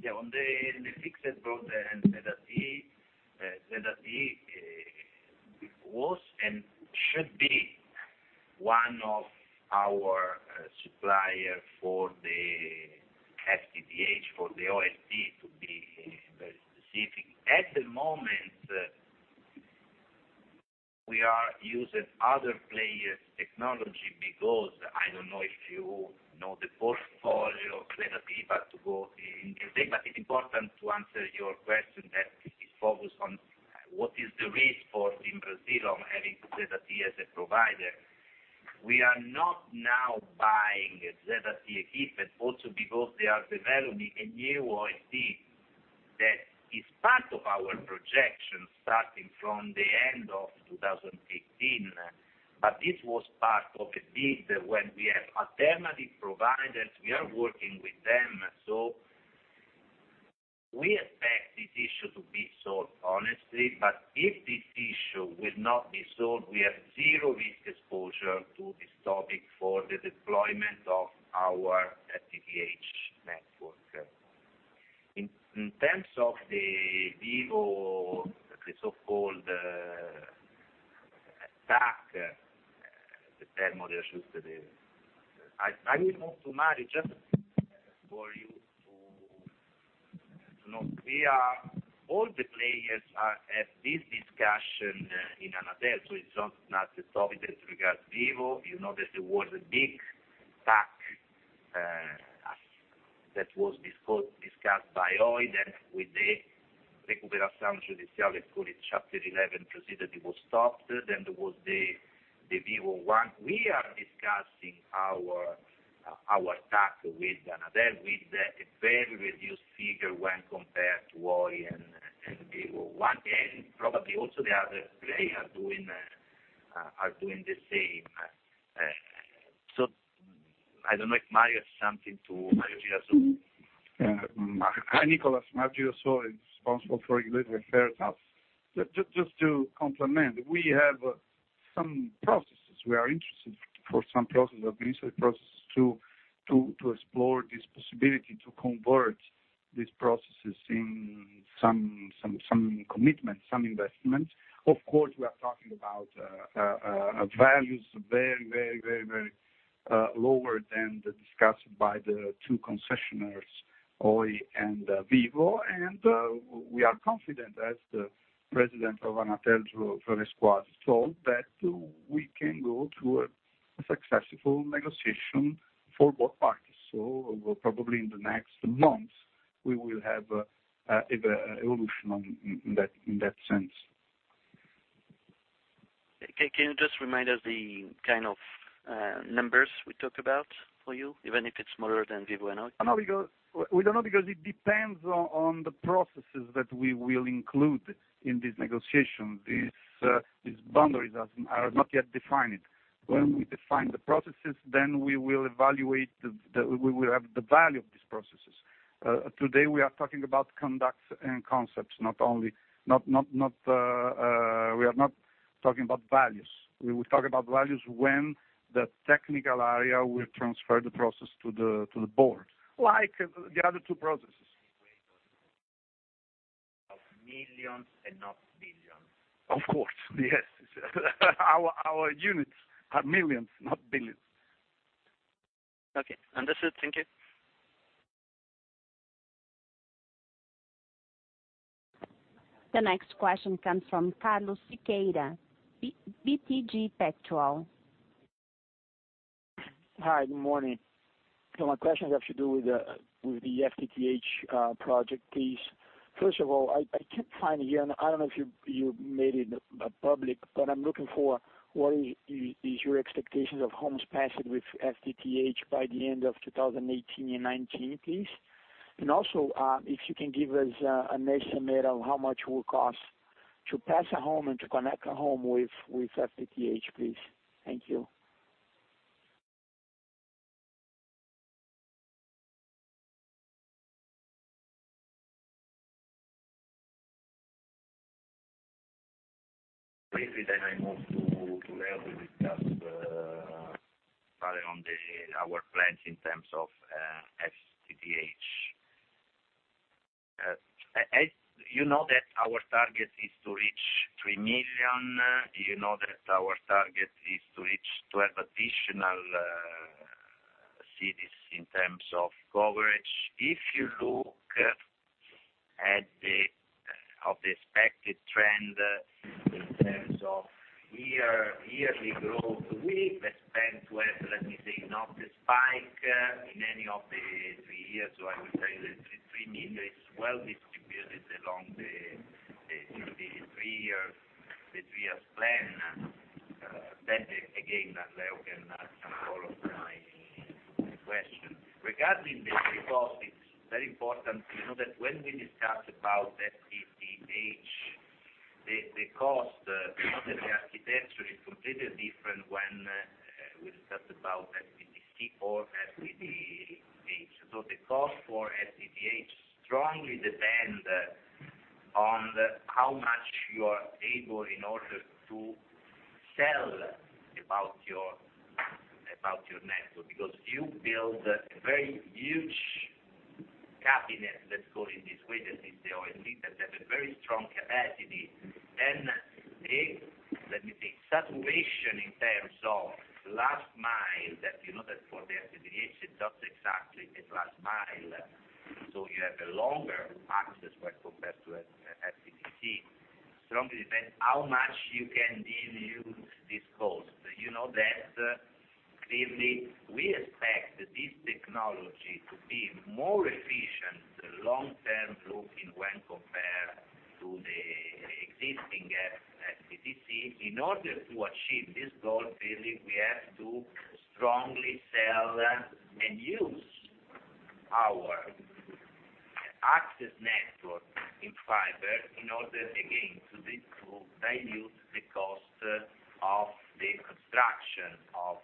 On the fixed broadband, ZTE was and should be one of our supplier for the FTTH, for the OSP, to be very specific. At the moment, we are using other players technology because I don't know if you know the portfolio of ZTE, it's important to answer your question that it is focused on what is the risk for TIM Brasil on having ZTE as a provider. We are not now buying ZTE equipment also because they are developing a new OSP that is part of our projection starting from the end of 2018. This was part of a bid when we have alternative providers, we are working with them. We expect this issue to be solved honestly, but if this issue will not be solved, we have zero risk exposure to this topic for the deployment of our FTTH network. In terms of the Vivo, the so-called TAC, I will move to Mario, just for you to know. All the players have this discussion in Anatel, so it is not just a topic that regards Vivo. You know that there was a big TAC that was discussed by Oi. Then with the recuperação judicial, let's call it Chapter 11, proceeded, it was stopped. Then there was the Vivo one. We are discussing our TAC with Anatel, with a very reduced figure when compared to Oi and Vivo one, and probably also the other players are doing the same. I don't know if Mario has something to add. Mario Girasole. Hi, Nicolas. Mario Girasole, responsible for regulatory affairs. Just to complement, we have some processes. We are interested for some processes, have been interested in processes to explore this possibility to convert these processes in some commitment, some investment. Of course, we are talking about values very lower than discussed by the two concessionaires, Oi and Vivo. We are confident, as the President of Anatel, Juarez Quadros, told, that we can go to a successful negotiation for both parties. Probably in the next months, we will have evolution in that sense. Can you just remind us the kind of numbers we talk about for you, even if it is smaller than Vivo and Oi? We don't know, because it depends on the processes that we will include in this negotiation. These boundaries are not yet defined. When we define the processes, then we will have the value of these processes. Today, we are talking about conducts and concepts. We are not talking about values. We will talk about values when the technical area will transfer the process to the board, like the other two processes. Of millions and not billions. Of course, yes. Our units are millions, not billions. Okay. Understood. Thank you. The next question comes from Carlos Sequeira, BTG Pactual. Hi, good morning. My question has to do with the FTTH project, please. First of all, I can't find it here, and I don't know if you made it public, but I'm looking for what is your expectations of homes passed with FTTH by the end of 2018 and 2019, please. Also, if you can give us an estimate of how much it will cost to pass a home and to connect a home with FTTH, please. Thank you. I move to Leo who will discuss probably on our plans in terms of FTTH. You know that our target is to reach 3 million. You know that our target is to have additional cities in terms of coverage. If you look at the expected trend in terms of yearly growth, we expect to have, let me say, not a spike in any of the three years. I will tell you that the 3 million is well distributed along the three-year plan. That, again, Leo can follow my question. Regarding the cost, it's very important to know that when we discuss about FTTH, the cost, you know that the architecture is completely different when we discuss about FTTC or FTTH. The cost for FTTH strongly depends on how much you are able in order to sell about your network. You build a very huge cabinet, let's call it this way, that is the OLT, that have a very strong capacity. The, let me think, saturation in terms of last mile that you know that for the FTTH, it's not exactly a last mile, so you have a longer access when compared to FTTC, strongly depends how much you can then use this cost. You know that clearly, we expect this technology to be more efficient long-term looking when compared to the existing FTTC. In order to achieve this goal, clearly, we have to strongly sell and use our access network in fiber in order, again, to dilute the cost of the construction of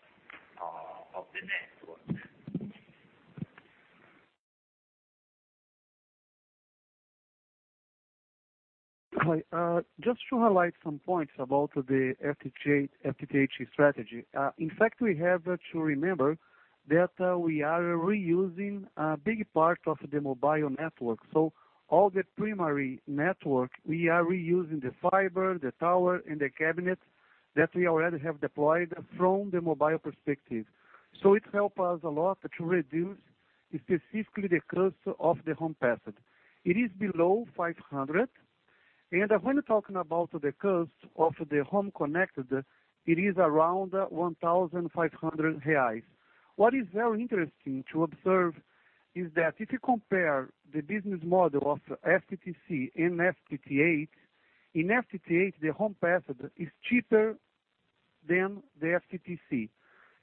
Of the network. Hi. Just to highlight some points about the FTTH strategy. We have to remember that we are reusing a big part of the mobile network. All the primary network, we are reusing the fiber, the tower, and the cabinet that we already have deployed from the mobile perspective. It helps us a lot to reduce specifically the cost of the home passage. It is below 500, and when talking about the cost of the home connected, it is around 1,500 reais. What is very interesting to observe is that if you compare the business model of FTTC and FTTH, in FTTH, the home passage is cheaper than the FTTC.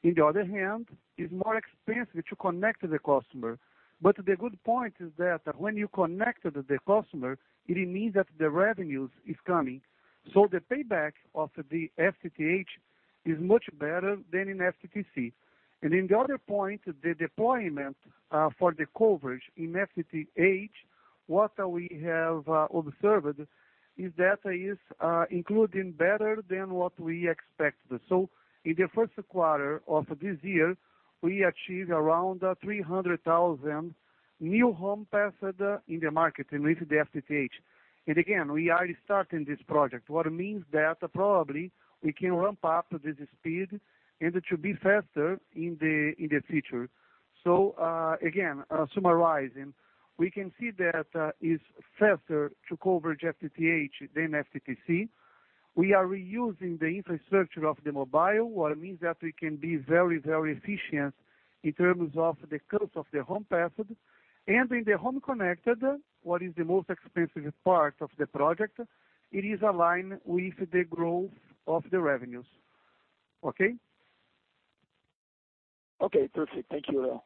In the other hand, it's more expensive to connect the customer. The good point is that when you connect the customer, it means that the revenues is coming. The payback of the FTTH is much better than in FTTC. The other point, the deployment for the coverage in FTTH, what we have observed is that is including better than what we expected. In the first quarter of this year, we achieved around 300,000 new home passage in the market and with the FTTH. Again, we are starting this project. What means that probably we can ramp up the speed and it should be faster in the future. Again, summarizing, we can see that it's faster to cover FTTH than FTTC. We are reusing the infrastructure of the mobile, what means that we can be very efficient in terms of the cost of the home passage and in the home connected, what is the most expensive part of the project, it is aligned with the growth of the revenues. Okay? Okay, perfect. Thank you.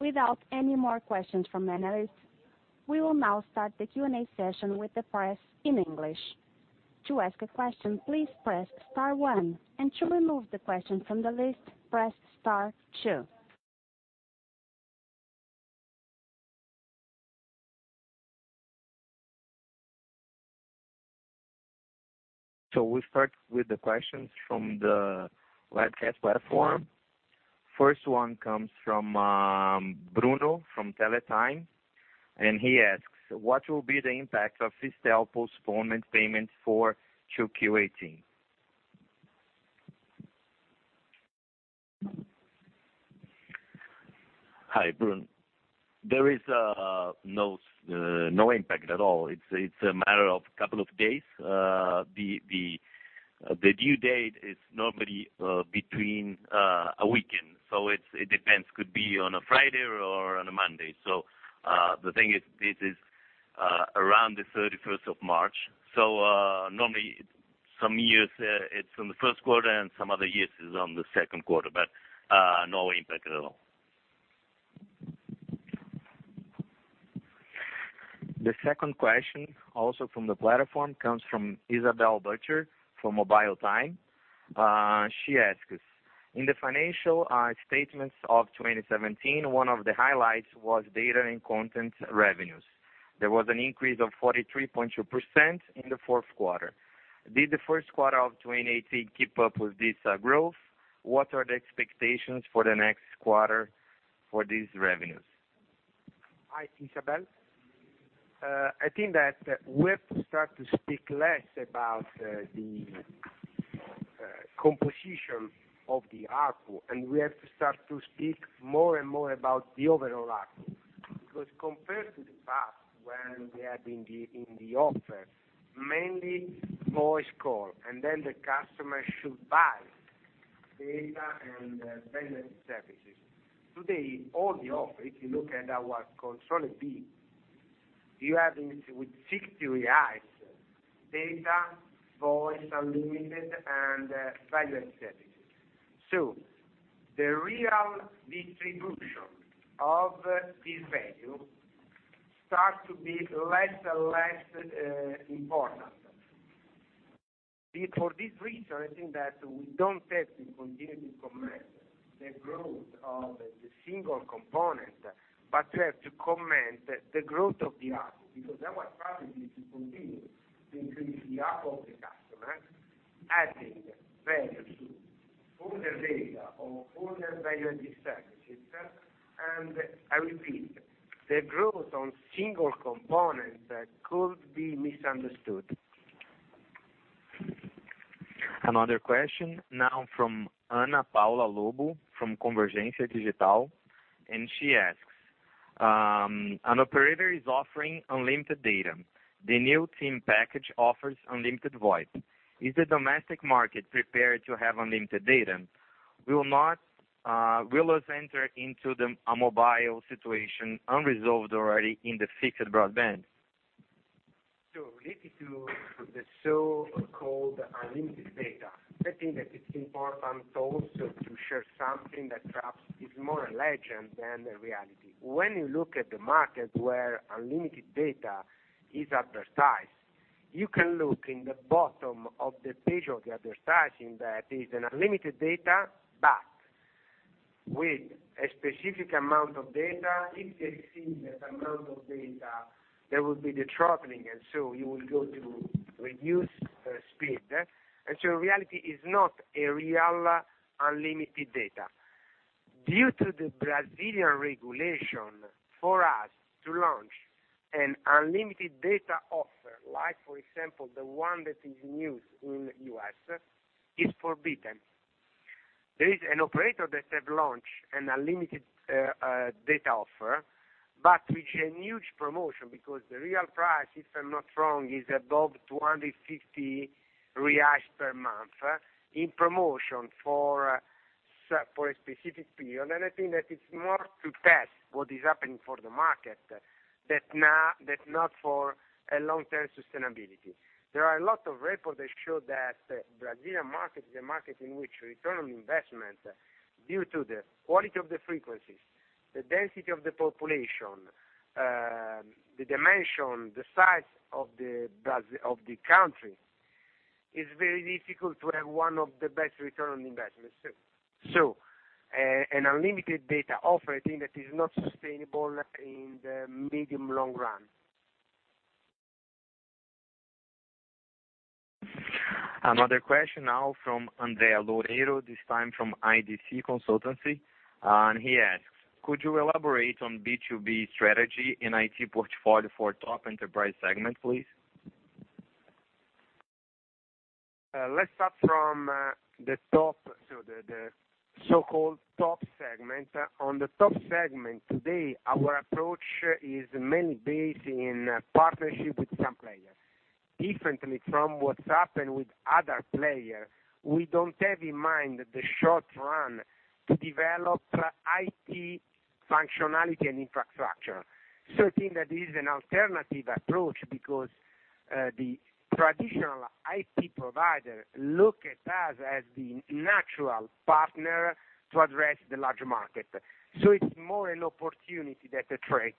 Without any more questions from analysts, we will now start the Q&A session with the press in English. To ask a question, please press star one, and to remove the question from the list, press star two. We'll start with the questions from the webcast platform. First one comes from Bruno from Teletime, and he asks: What will be the impact of Fistel postponement payment for 2Q18? Hi, Bruno. There is no impact at all. It's a matter of couple of days. The due date is normally between a weekend. It depends, could be on a Friday or on a Monday. The thing is, this is around the 31st of March. Normally some years, it's on the first quarter, and some other years is on the second quarter, no impact at all. The second question, also from the platform, comes from Isabel Butcher from Mobile Time. She asks: In the financial statements of 2017, one of the highlights was data and content revenues. There was an increase of 43.2% in the fourth quarter. Did the first quarter of 2018 keep up with this growth? What are the expectations for the next quarter for these revenues? Hi, Isabel. I think that we have to start to speak less about the composition of the ARPU, and we have to start to speak more and more about the overall ARPU. Compared to the past, when we had in the offer mainly voice call, and then the customer should buy data and value services. Today, all the offers, if you look at our TIM Controle, you have with 60 reais, data, voice, unlimited, and value services. The real distribution of this value starts to be less and less important. For this reason, I think that we don't have to continue to comment the growth of the single component, we have to comment the growth of the ARPU because our strategy is to continue to increase the ARPU of the customer, adding value to all the data or all the value-added services. I repeat, the growth on single component could be misunderstood. Another question now from Ana Paula Lobo from Convergência Digital, she asks: An operator is offering unlimited data. The new TIM package offers unlimited voice. Is the domestic market prepared to have unlimited data? Will us enter into the mobile situation unresolved already in the fixed broadband? Related to the so-called unlimited data I think that it's important also to share something that perhaps is more a legend than the reality. When you look at the market where unlimited data is advertised, you can look in the bottom of the page of the advertising that is an unlimited data, but with a specific amount of data. If they exceed that amount of data, there will be the throttling, and so you will go to reduced speed. In reality, it's not a real unlimited data. Due to the Brazilian regulation, for us to launch an unlimited data offer, like for example, the one that is used in the U.S., is forbidden. There is an operator that have launched an unlimited data offer, but with a huge promotion because the real price, if I'm not wrong, is above 250 reais per month in promotion for a specific period. I think that it's more to test what is happening for the market, that not for a long-term sustainability. There are a lot of reports that show that Brazilian market is a market in which return on investment, due to the quality of the frequencies, the density of the population, the dimension, the size of the country, is very difficult to have one of the best return on investments. An unlimited data offer, I think that is not sustainable in the medium long run. Another question now from André Loureiro, this time from IDC, he asks, "Could you elaborate on B2B strategy in IT portfolio for top enterprise segment, please? Let's start from the top, so the so-called top segment. On the top segment today, our approach is mainly based in partnership with some players. Differently from what's happened with other players, we don't have in mind the short run to develop IT functionality and infrastructure. I think that this is an alternative approach because the traditional IT provider look at us as the natural partner to address the larger market. It's more an opportunity that attract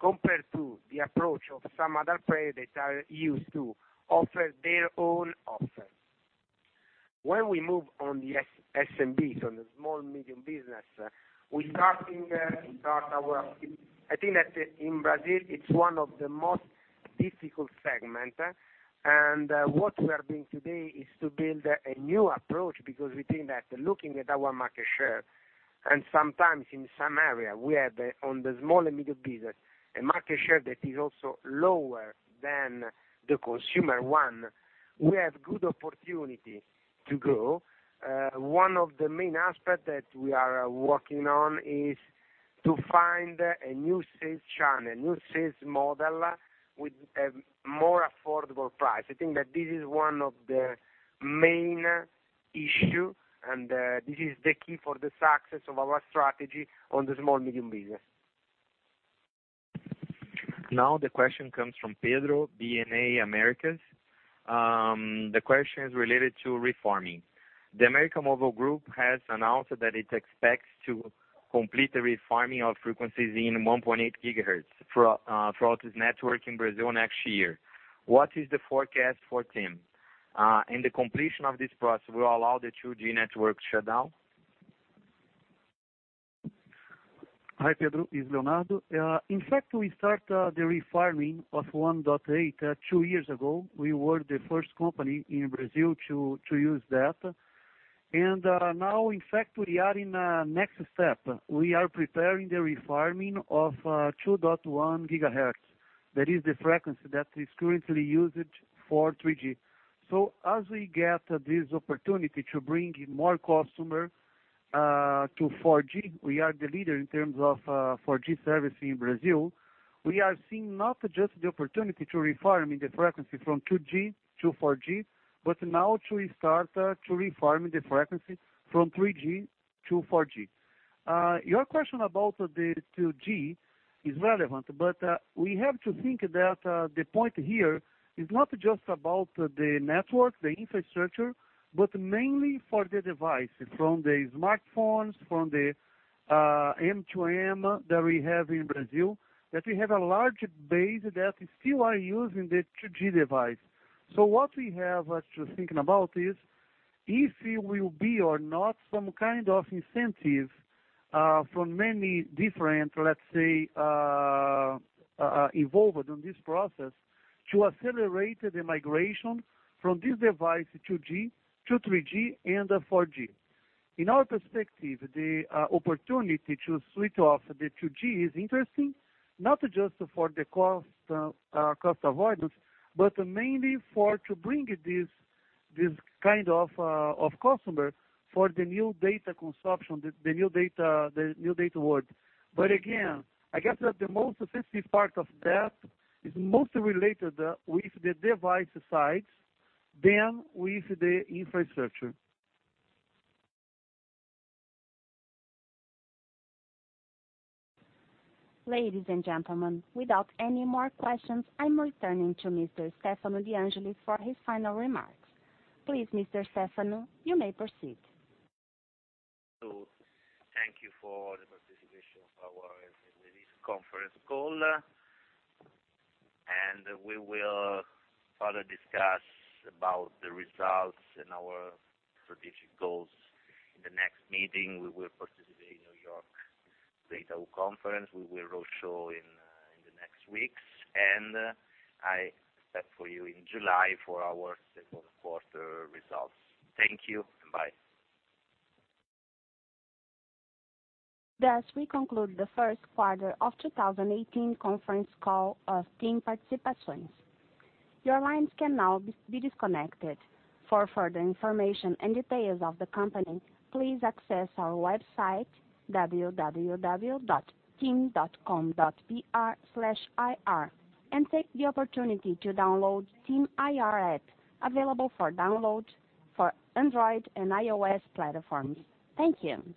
compared to the approach of some other players that are used to offer their own offer. When we move on the SMB, so the small medium business, I think that in Brazil, it's one of the most difficult segment. What we are doing today is to build a new approach because we think that looking at our market share, and sometimes in some area, we have, on the small and medium business, a market share that is also lower than the consumer one. We have good opportunity to grow. One of the main aspect that we are working on is to find a new sales channel, new sales model with a more affordable price. I think that this is one of the main issue, this is the key for the success of our strategy on the small medium business. Now the question comes from Pedro, BNamericas. The question is related to refarming. The América Móvil Group has announced that it expects to complete the refarming of frequencies in 1.8 gigahertz throughout its network in Brazil next year. What is the forecast for TIM? The completion of this process will allow the 2G network shutdown? Hi, Pedro. It's Leonardo. In fact, we start the refarming of 1.8 two years ago. We were the first company in Brazil to use that. Now, in fact, we are in a next step. We are preparing the refarming of 2.1 gigahertz. That is the frequency that is currently used for 3G. As we get this opportunity to bring in more customer to 4G, we are the leader in terms of 4G service in Brazil. We are seeing not just the opportunity to refarming the frequency from 2G to 4G, but now to restart to refarming the frequency from 3G to 4G. Your question about the 2G is relevant, but we have to think that the point here is not just about the network, the infrastructure, but mainly for the device. From the smartphones, from the M2M that we have in Brazil, that we have a large base that still are using the 2G device. What we have to thinking about is, if it will be or not some kind of incentive from many different, let's say, involved on this process to accelerate the migration from this device 2G to 3G and 4G. In our perspective, the opportunity to switch off the 2G is interesting, not just for the cost avoidance, but mainly for to bring this kind of customer for the new data consumption, the new data world. Again, I guess that the most sensitive part of that is mostly related with the device size than with the infrastructure. Ladies and gentlemen, without any more questions, I'm returning to Mr. Stefano De Angelis for his final remarks. Please, Mr. Stefano, you may proceed. Thank you for the participation of our release conference call. We will further discuss about the results and our strategic goals in the next meeting. We will participate in New York data conference. We will road show in the next weeks. I expect for you in July for our second quarter results. Thank you, and bye. Thus, we conclude the first quarter of 2018 conference call of TIM Participações. Your lines can now be disconnected. For further information and details of the company, please access our website, www.tim.com.br/ir, and take the opportunity to download TIM IR app available for download for Android and iOS platforms. Thank you.